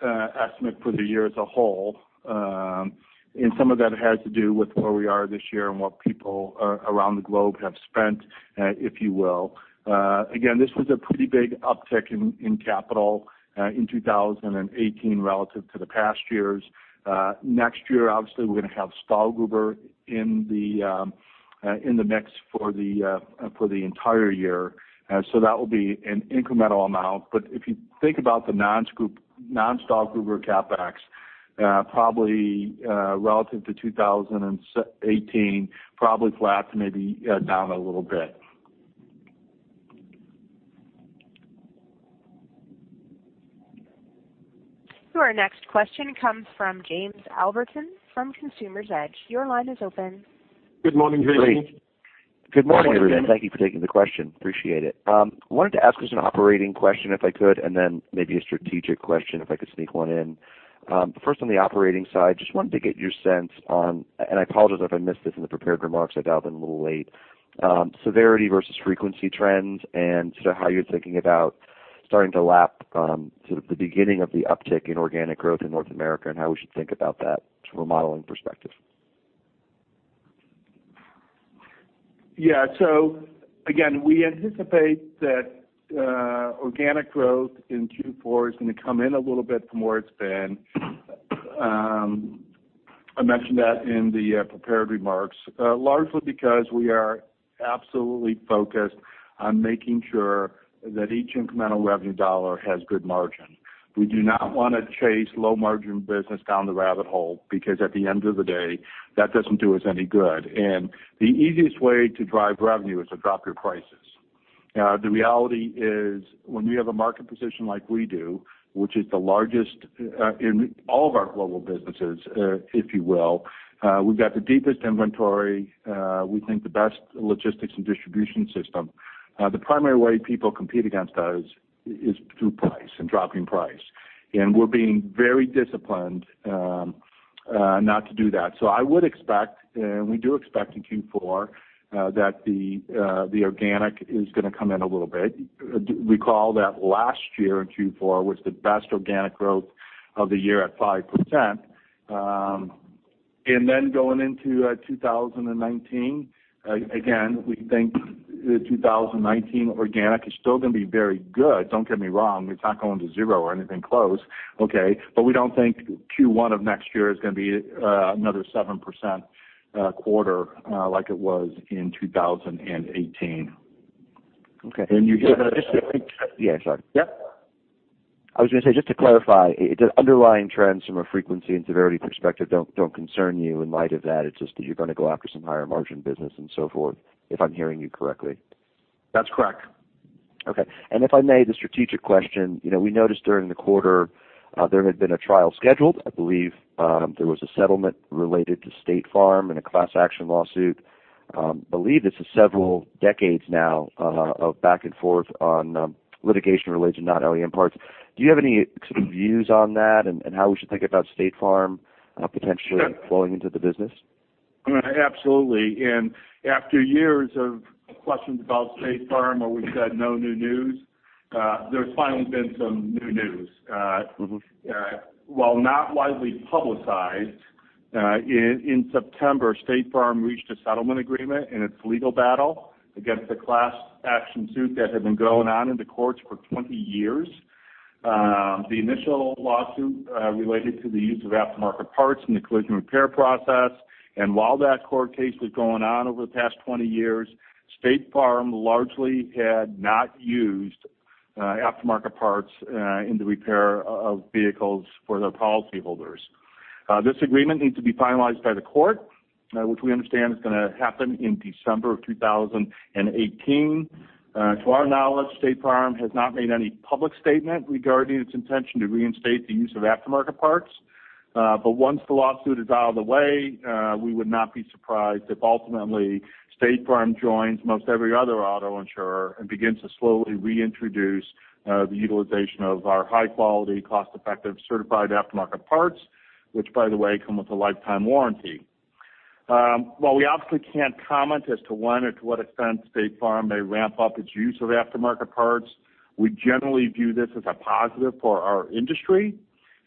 estimate for the year as a whole. Some of that has to do with where we are this year and what people around the globe have spent, if you will. Again, this was a pretty big uptick in capital in 2018 relative to the past years. Next year, obviously, we're going to have Stahlgruber in the mix for the entire year. That will be an incremental amount. If you think about the non-Stahlgruber CapEx, probably relative to 2018, probably flat to maybe down a little bit. Your next question comes from James Albertine from Consumer Edge. Your line is open. Good morning, James. Good morning. Good morning. Thank you for taking the question. Appreciate it. Wanted to ask just an operating question if I could, then maybe a strategic question if I could sneak one in. First on the operating side, just wanted to get your sense on, and I apologize if I missed this in the prepared remarks, I doubt I've been a little late, severity versus frequency trends and sort of how you're thinking about starting to lap sort of the beginning of the uptick in organic growth in North America, and how we should think about that from a modeling perspective. Yeah. Again, we anticipate that organic growth in Q4 is going to come in a little bit from where it's been. I mentioned that in the prepared remarks. Largely because we are absolutely focused on making sure that each incremental revenue dollar has good margin. We do not want to chase low-margin business down the rabbit hole, because at the end of the day, that doesn't do us any good. The easiest way to drive revenue is to drop your prices. The reality is, when we have a market position like we do, which is the largest in all of our global businesses, if you will, we've got the deepest inventory, we think the best logistics and distribution system. The primary way people compete against us is through price and dropping price. We're being very disciplined not to do that. I would expect, and we do expect in Q4, that the organic is going to come in a little bit. Recall that last year in Q4 was the best organic growth of the year at 5%. Going into 2019, again, we think 2019 organic is still going to be very good. Don't get me wrong, it's not going to zero or anything close, okay? We don't think Q1 of next year is going to be another 7% quarter like it was in 2018. Okay. You- Yeah, sorry. Yeah. I was going to say, just to clarify, underlying trends from a frequency and severity perspective don't concern you in light of that. It's just that you're going to go after some higher margin business and so forth, if I'm hearing you correctly. That's correct. Okay. If I may, the strategic question. We noticed during the quarter there had been a trial scheduled. I believe there was a settlement related to State Farm in a class action lawsuit. Believe this is several decades now of back and forth on litigation related to non-OEM parts. Do you have any sort of views on that and how we should think about State Farm potentially flowing into the business? Absolutely. After years of questions about State Farm where we've said no new news, there's finally been some new news. While not widely publicized, in September, State Farm reached a settlement agreement in its legal battle against a class action suit that had been going on in the courts for 20 years. The initial lawsuit related to the use of aftermarket parts in the collision repair process. While that court case was going on over the past 20 years, State Farm largely had not used aftermarket parts in the repair of vehicles for their policyholders. This agreement needs to be finalized by the court, which we understand is going to happen in December of 2018. To our knowledge, State Farm has not made any public statement regarding its intention to reinstate the use of aftermarket parts. Once the lawsuit is out of the way, we would not be surprised if ultimately State Farm joins most every other auto insurer and begins to slowly reintroduce the utilization of our high-quality, cost-effective certified aftermarket parts, which, by the way, come with a lifetime warranty. While we obviously can't comment as to when or to what extent State Farm may ramp up its use of aftermarket parts, we generally view this as a positive for our industry,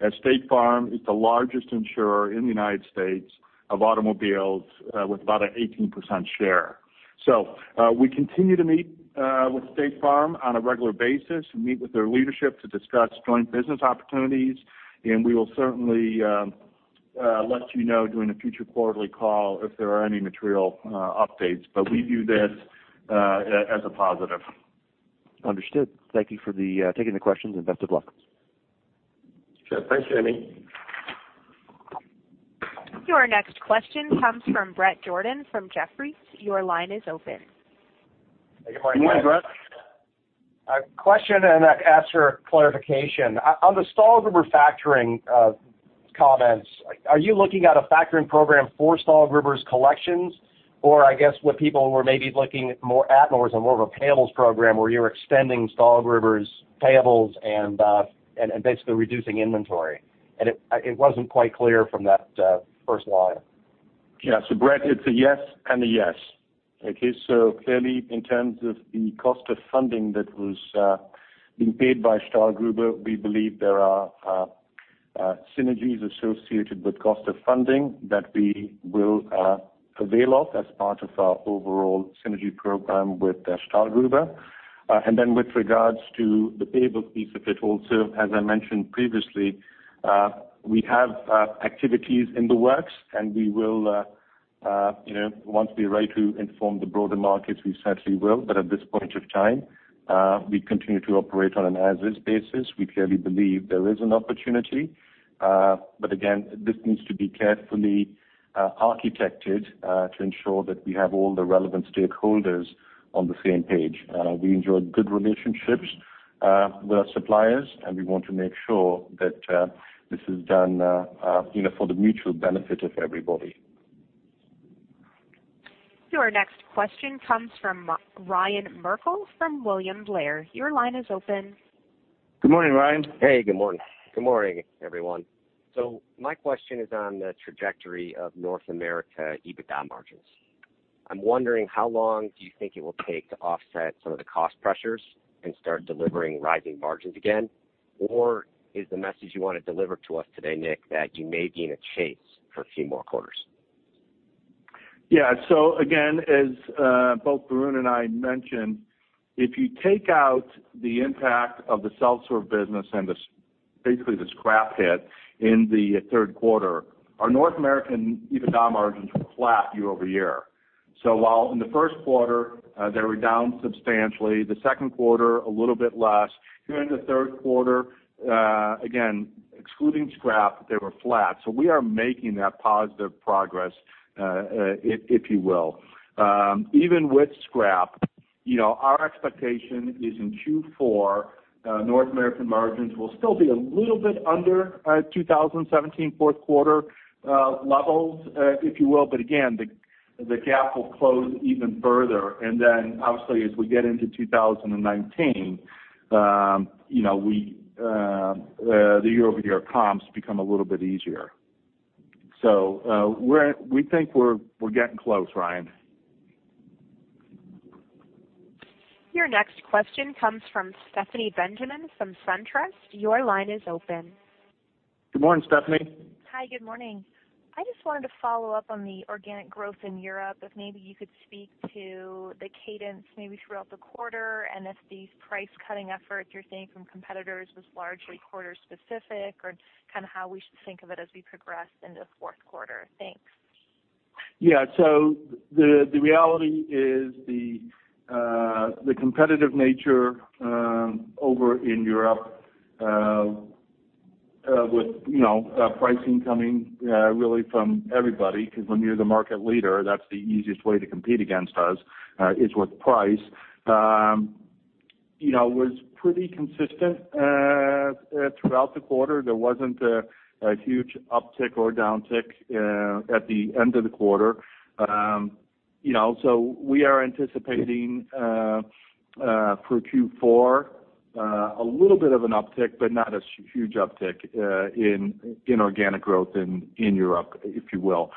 as State Farm is the largest insurer in the United States of automobiles, with about an 18% share. We continue to meet with State Farm on a regular basis and meet with their leadership to discuss joint business opportunities. We will certainly let you know during a future quarterly call if there are any material updates. We view this as a positive. Understood. Thank you for taking the questions, and best of luck. Sure. Thanks, Jimmy. Your next question comes from Bret Jordan from Jefferies. Your line is open. Good morning, Bret. A question, and ask for clarification. On the Stahlgruber factoring comments, are you looking at a factoring program for Stahlgruber's collections? I guess what people were maybe looking more at was more of a payables program where you're extending Stahlgruber's payables and basically reducing inventory. It wasn't quite clear from that first line. Yeah. Bret, it's a yes and a yes. Okay. Clearly in terms of the cost of funding that was being paid by Stahlgruber, we believe there are synergies associated with cost of funding that we will avail of as part of our overall synergy program with Stahlgruber. With regards to the payables piece of it also, as I mentioned previously, we have activities in the works, and once we are ready to inform the broader markets, we certainly will. At this point of time, we continue to operate on an as-is basis. We clearly believe there is an opportunity. Again, this needs to be carefully architected to ensure that we have all the relevant stakeholders on the same page. We enjoy good relationships with our suppliers, and we want to make sure that this is done for the mutual benefit of everybody. Your next question comes from Ryan Merkel from William Blair. Your line is open. Good morning, Ryan. Hey, good morning. Good morning, everyone. My question is on the trajectory of North America EBITDA margins. I'm wondering how long do you think it will take to offset some of the cost pressures and start delivering rising margins again? Or is the message you want to deliver to us today, Nick, that you may be in a chase for a few more quarters? Again, as both Varun and I mentioned, if you take out the impact of the self-serve business and basically the scrap hit in the third quarter, our North American EBITDA margins were flat year-over-year. While in the first quarter, they were down substantially, the second quarter, a little bit less. Here in the third quarter, again, excluding scrap, they were flat. We are making that positive progress, if you will. Even with scrap, our expectation is in Q4, North American margins will still be a little bit under 2017 fourth quarter levels, if you will. Again, the gap will close even further. Obviously as we get into 2019, the year-over-year comps become a little bit easier. We think we're getting close, Ryan. Your next question comes from Stephanie Benjamin from SunTrust. Your line is open. Good morning, Stephanie. Hi, good morning. I just wanted to follow up on the organic growth in Europe, if maybe you could speak to the cadence maybe throughout the quarter, and if these price cutting efforts you're seeing from competitors was largely quarter specific or kind of how we should think of it as we progress into the fourth quarter. Thanks. Yeah. The reality is the competitive nature over in Europe with pricing coming really from everybody, because when you're the market leader, that's the easiest way to compete against us, is with price, was pretty consistent throughout the quarter. There wasn't a huge uptick or downtick at the end of the quarter. We are anticipating for Q4 a little bit of an uptick, but not a huge uptick in organic growth in Europe, if you will.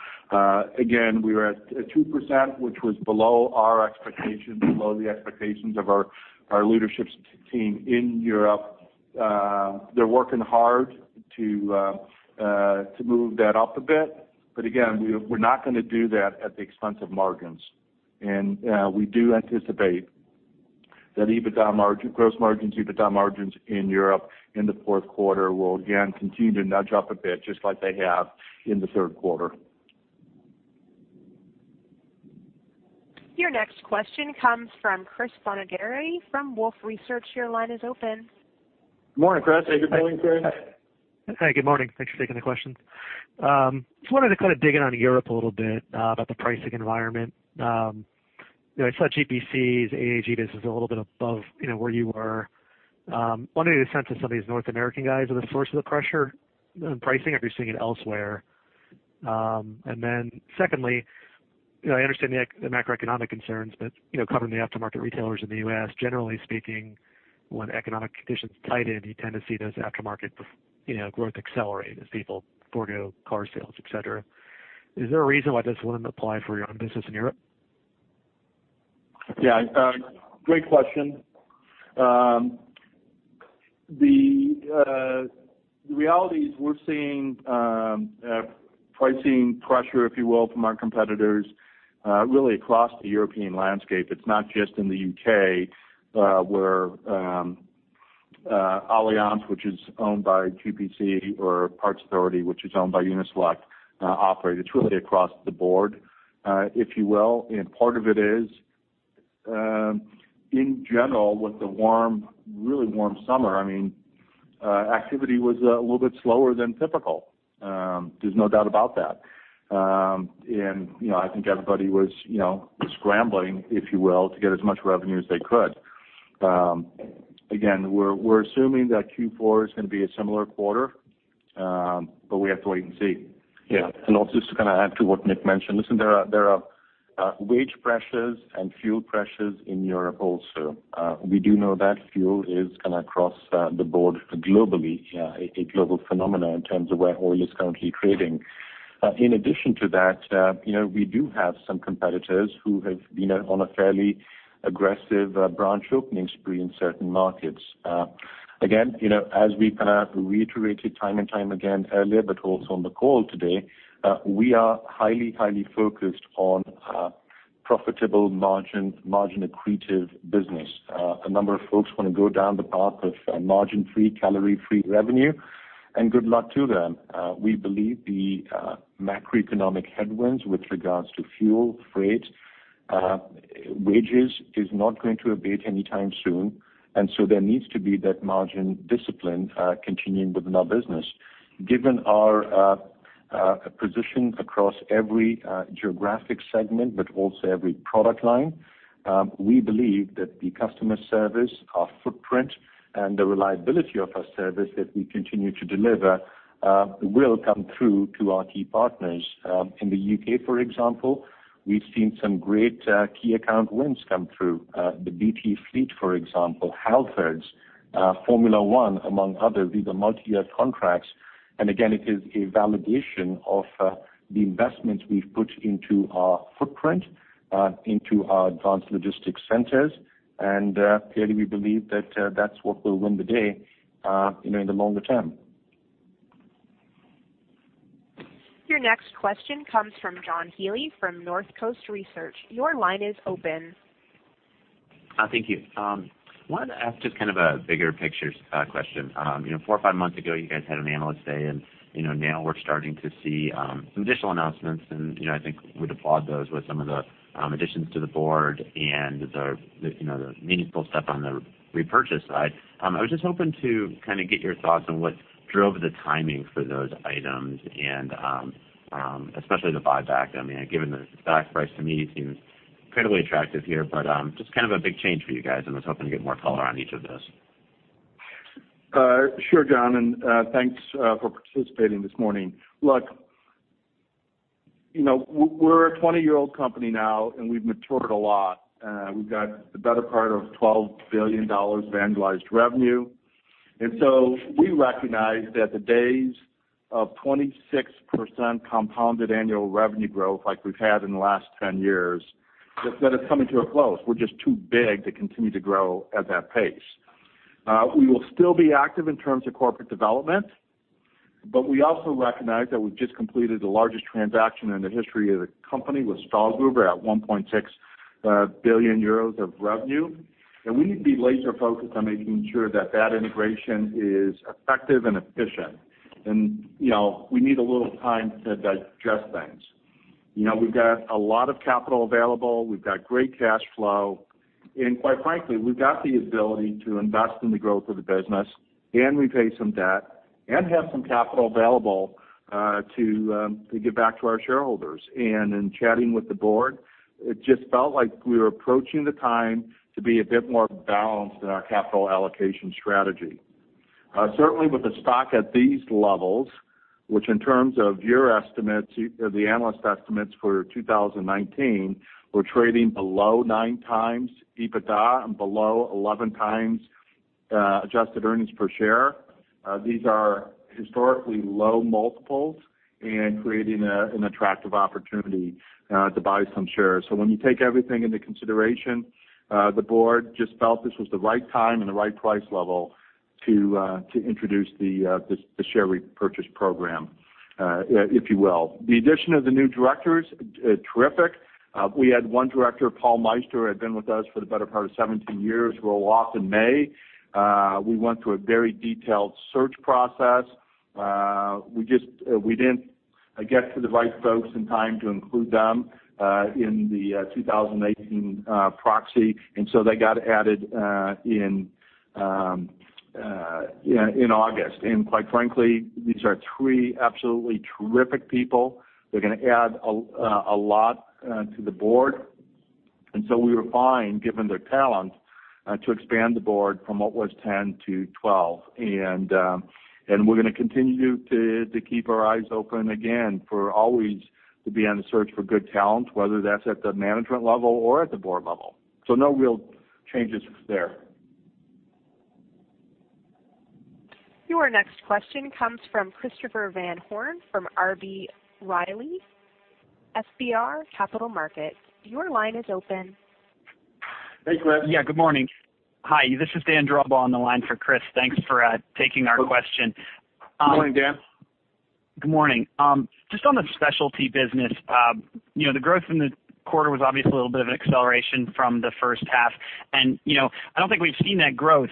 Again, we were at 2%, which was below our expectations, below the expectations of our leadership team in Europe. They're working hard to move that up a bit. Again, we're not going to do that at the expense of margins. We do anticipate that gross margins, EBITDA margins in Europe in the fourth quarter will again continue to nudge up a bit, just like they have in the third quarter. Your next question comes from Chris Bottiglieri from Wolfe Research. Your line is open. Good morning, Chris. Thanks for holding. Hi, good morning. Thanks for taking the question. Just wanted to kind of dig in on Europe a little bit about the pricing environment. I saw GPC's AAG business a little bit above where you were. Wondering if the sense of some of these North American guys are the source of the pressure pricing, if you're seeing it elsewhere. Secondly, I understand the macroeconomic concerns, but covering the aftermarket retailers in the U.S., generally speaking, when economic conditions tighten, you tend to see those aftermarket growth accelerate as people forego car sales, et cetera. Is there a reason why this wouldn't apply for your own business in Europe? Yeah. Great question. The reality is we're seeing pricing pressure, if you will, from our competitors really across the European landscape. It's not just in the U.K. where Alliance, which is owned by GPC, or Parts Authority, which is owned by Uni-Select operate. It's really across the board, if you will. Part of it is in general, with the really warm summer, activity was a little bit slower than typical. There's no doubt about that. I think everybody was scrambling, if you will, to get as much revenue as they could. Again, we're assuming that Q4 is going to be a similar quarter, but we have to wait and see. Yeah. Also just to kind of add to what Nick mentioned, listen, there are wage pressures and fuel pressures in Europe also. We do know that fuel is kind of across the board globally, a global phenomenon in terms of where oil is currently trading. In addition to that, we do have some competitors who have been on a fairly aggressive branch opening spree in certain markets. Again, as we kind of reiterated time and time again earlier, but also on the call today, we are highly focused on profitable margin-accretive business. A number of folks want to go down the path of margin-free, calorie-free revenue, and good luck to them. We believe the macroeconomic headwinds with regards to fuel, freight, wages is not going to abate anytime soon. So there needs to be that margin discipline continuing within our business. Given our position across every geographic segment, but also every product line, we believe that the customer service, our footprint, and the reliability of our service that we continue to deliver will come through to our key partners. In the U.K., for example, we've seen some great key account wins come through. BT Fleet, for example, Halfords, Formula One, among others. These are multi-year contracts. Again, it is a validation of the investment we've put into our footprint, into our advanced logistics centers. Clearly, we believe that's what will win the day in the longer term. Your next question comes from John Healy from Northcoast Research. Your line is open. Thank you. Wanted to ask just kind of a bigger picture question. Four or five months ago, you guys had an Analyst Day, and now we're starting to see some additional announcements, and I think we'd applaud those with some of the additions to the board and the meaningful stuff on the repurchase side. I was just hoping to kind of get your thoughts on what drove the timing for those items and especially the buyback. Given the stock price, to me, it seems incredibly attractive here, but just kind of a big change for you guys, and I was hoping to get more color on each of those. Sure, John, thanks for participating this morning. Look, we're a 20-year-old company now, and we've matured a lot. We've got the better part of $12 billion of annualized revenue. We recognize that the days of 26% compounded annual revenue growth like we've had in the last 10 years, that it's coming to a close. We're just too big to continue to grow at that pace. We will still be active in terms of corporate development, but we also recognize that we've just completed the largest transaction in the history of the company with Stahlgruber at 1.6 billion euros of revenue. We need to be laser focused on making sure that that integration is effective and efficient. We need a little time to digest things. We've got a lot of capital available. We've got great cash flow, and quite frankly, we've got the ability to invest in the growth of the business, and repay some debt, and have some capital available to give back to our shareholders. In chatting with the board, it just felt like we were approaching the time to be a bit more balanced in our capital allocation strategy. Certainly, with the stock at these levels, which in terms of your estimates, the analyst estimates for 2019, we're trading below nine times EBITDA and below 11 times adjusted earnings per share. These are historically low multiples and creating an attractive opportunity to buy some shares. When you take everything into consideration, the board just felt this was the right time and the right price level to introduce the share repurchase program, if you will. The addition of the new directors, terrific. We had one director, Paul Meister, who had been with us for the better part of 17 years, roll off in May. We went through a very detailed search process. We didn't get to the right folks in time to include them in the 2018 proxy, and so they got added in August. Quite frankly, these are three absolutely terrific people. They're going to add a lot to the board. We were fine, given their talent, to expand the board from what was 10 to 12. We're going to continue to keep our eyes open again for always to be on the search for good talent, whether that's at the management level or at the board level. No real changes there. Your next question comes from Christopher Van Horn from B. Riley FBR Capital Markets. Your line is open. Hey, Chris. Yeah, good morning. Hi, this is Dan Dribben on the line for Chris. Thanks for taking our question. Morning, Dan. Good morning. Just on the specialty business, the growth in the quarter was obviously a little bit of an acceleration from the first half. I don't think we've seen that growth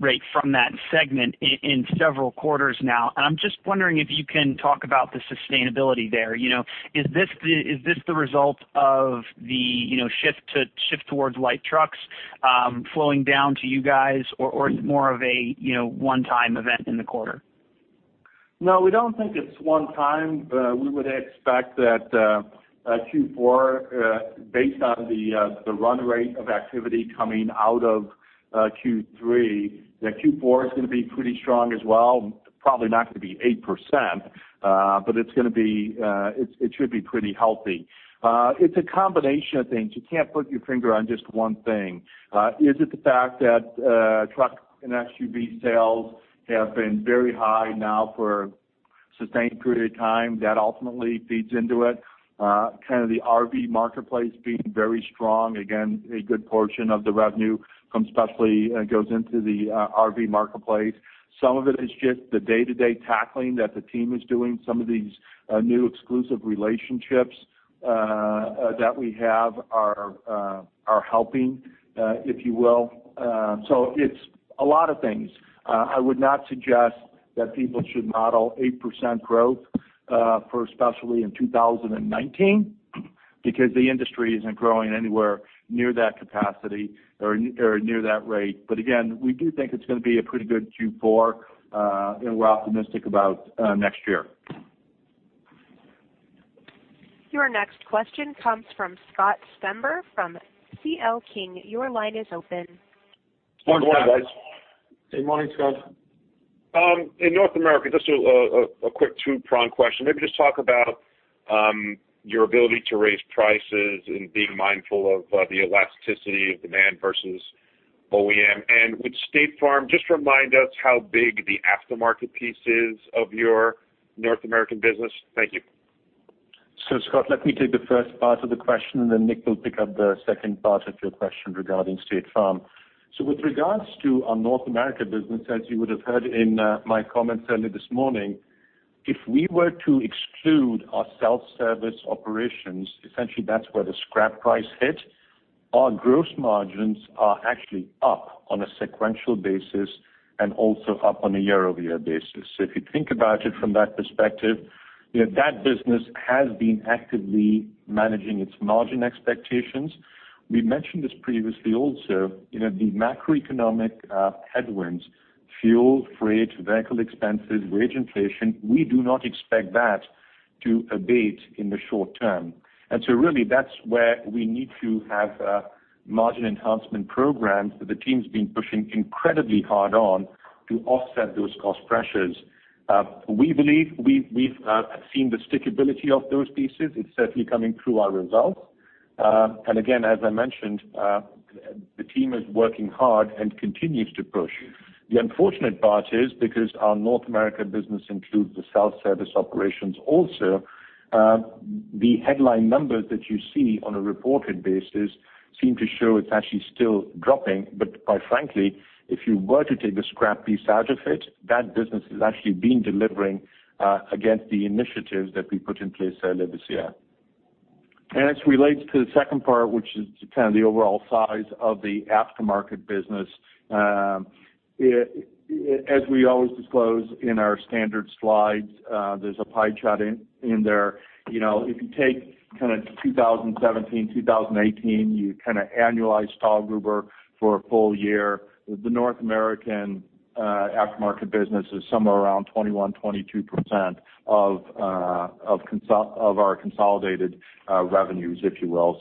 rate from that segment in several quarters now. I'm just wondering if you can talk about the sustainability there. Is this the result of the shift towards light trucks flowing down to you guys or is it more of a one-time event in the quarter? No, we don't think it's one time. We would expect that Q4, based on the run rate of activity coming out of Q3, that Q4 is going to be pretty strong as well. Probably not going to be 8%, but it should be pretty healthy. It's a combination of things. You can't put your finger on just one thing. Is it the fact that truck and SUV sales have been very high now for a sustained period of time that ultimately feeds into it? Kind of the RV marketplace being very strong. Again, a good portion of the revenue from Specialty goes into the RV marketplace. Some of it is just the day-to-day tackling that the team is doing. Some of these new exclusive relationships that we have are helping, if you will. It's a lot of things. I would not suggest that people should model 8% growth for Specialty in 2019 because the industry isn't growing anywhere near that capacity or near that rate. Again, we do think it's going to be a pretty good Q4, and we're optimistic about next year. Your next question comes from Scott Stember from C.L. King. Your line is open. Good morning, guys. Good morning, Scott. In North America, just a quick two-pronged question. Maybe just talk about your ability to raise prices and being mindful of the elasticity of demand versus OEM. With State Farm, just remind us how big the aftermarket piece is of your North American business. Thank you. Scott, let me take the first part of the question, and then Nick will pick up the second part of your question regarding State Farm. With regards to our North America business, as you would have heard in my comments earlier this morning, if we were to exclude our self-service operations, essentially that's where the scrap price hit. Our gross margins are actually up on a sequential basis and also up on a year-over-year basis. If you think about it from that perspective, that business has been actively managing its margin expectations. We mentioned this previously also, the macroeconomic headwinds, fuel, freight, vehicle expenses, wage inflation, we do not expect that to abate in the short term. Really, that's where we need to have margin enhancement programs that the team's been pushing incredibly hard on to offset those cost pressures. We believe we've seen the stickability of those pieces. It's certainly coming through our results. Again, as I mentioned, the team is working hard and continues to push. The unfortunate part is because our North America business includes the self-service operations also, the headline numbers that you see on a reported basis seem to show it's actually still dropping. Quite frankly, if you were to take the scrap piece out of it, that business has actually been delivering against the initiatives that we put in place earlier this year. As relates to the second part, which is kind of the overall size of the aftermarket business. As we always disclose in our standard slides, there's a pie chart in there. If you take kind of 2017, 2018, you kind of annualize Stahlgruber for a full year, the North American aftermarket business is somewhere around 21%-22% of our consolidated revenues, if you will.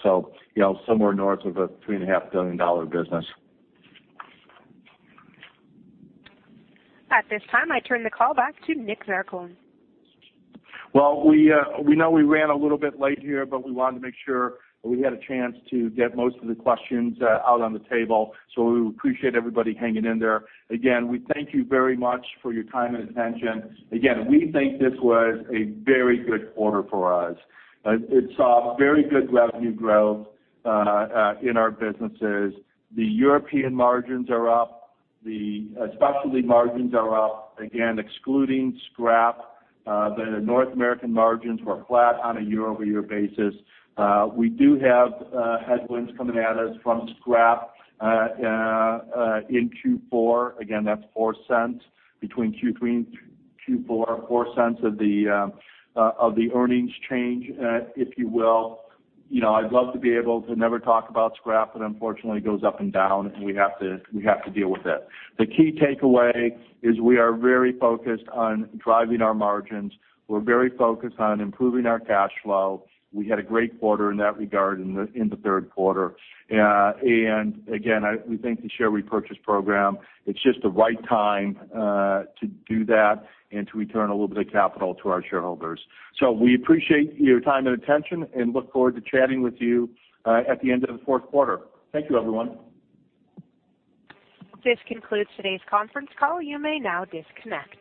Somewhere north of a $3.5 billion business. At this time, I turn the call back to Nick Zarcone. Well, we know we ran a little bit late here, but we wanted to make sure we had a chance to get most of the questions out on the table. We appreciate everybody hanging in there. Again, we thank you very much for your time and attention. Again, we think this was a very good quarter for us. It saw very good revenue growth in our businesses. The European margins are up. The specialty margins are up. Again, excluding scrap, the North American margins were flat on a year-over-year basis. We do have headwinds coming at us from scrap in Q4. Again, that's $0.04 between Q3 and Q4, $0.04 of the earnings change, if you will. I'd love to be able to never talk about scrap, but unfortunately, it goes up and down, and we have to deal with it. The key takeaway is we are very focused on driving our margins. We're very focused on improving our cash flow. We had a great quarter in that regard in the third quarter. Again, we think the share repurchase program, it's just the right time to do that and to return a little bit of capital to our shareholders. We appreciate your time and attention and look forward to chatting with you at the end of the fourth quarter. Thank you, everyone. This concludes today's conference call. You may now disconnect.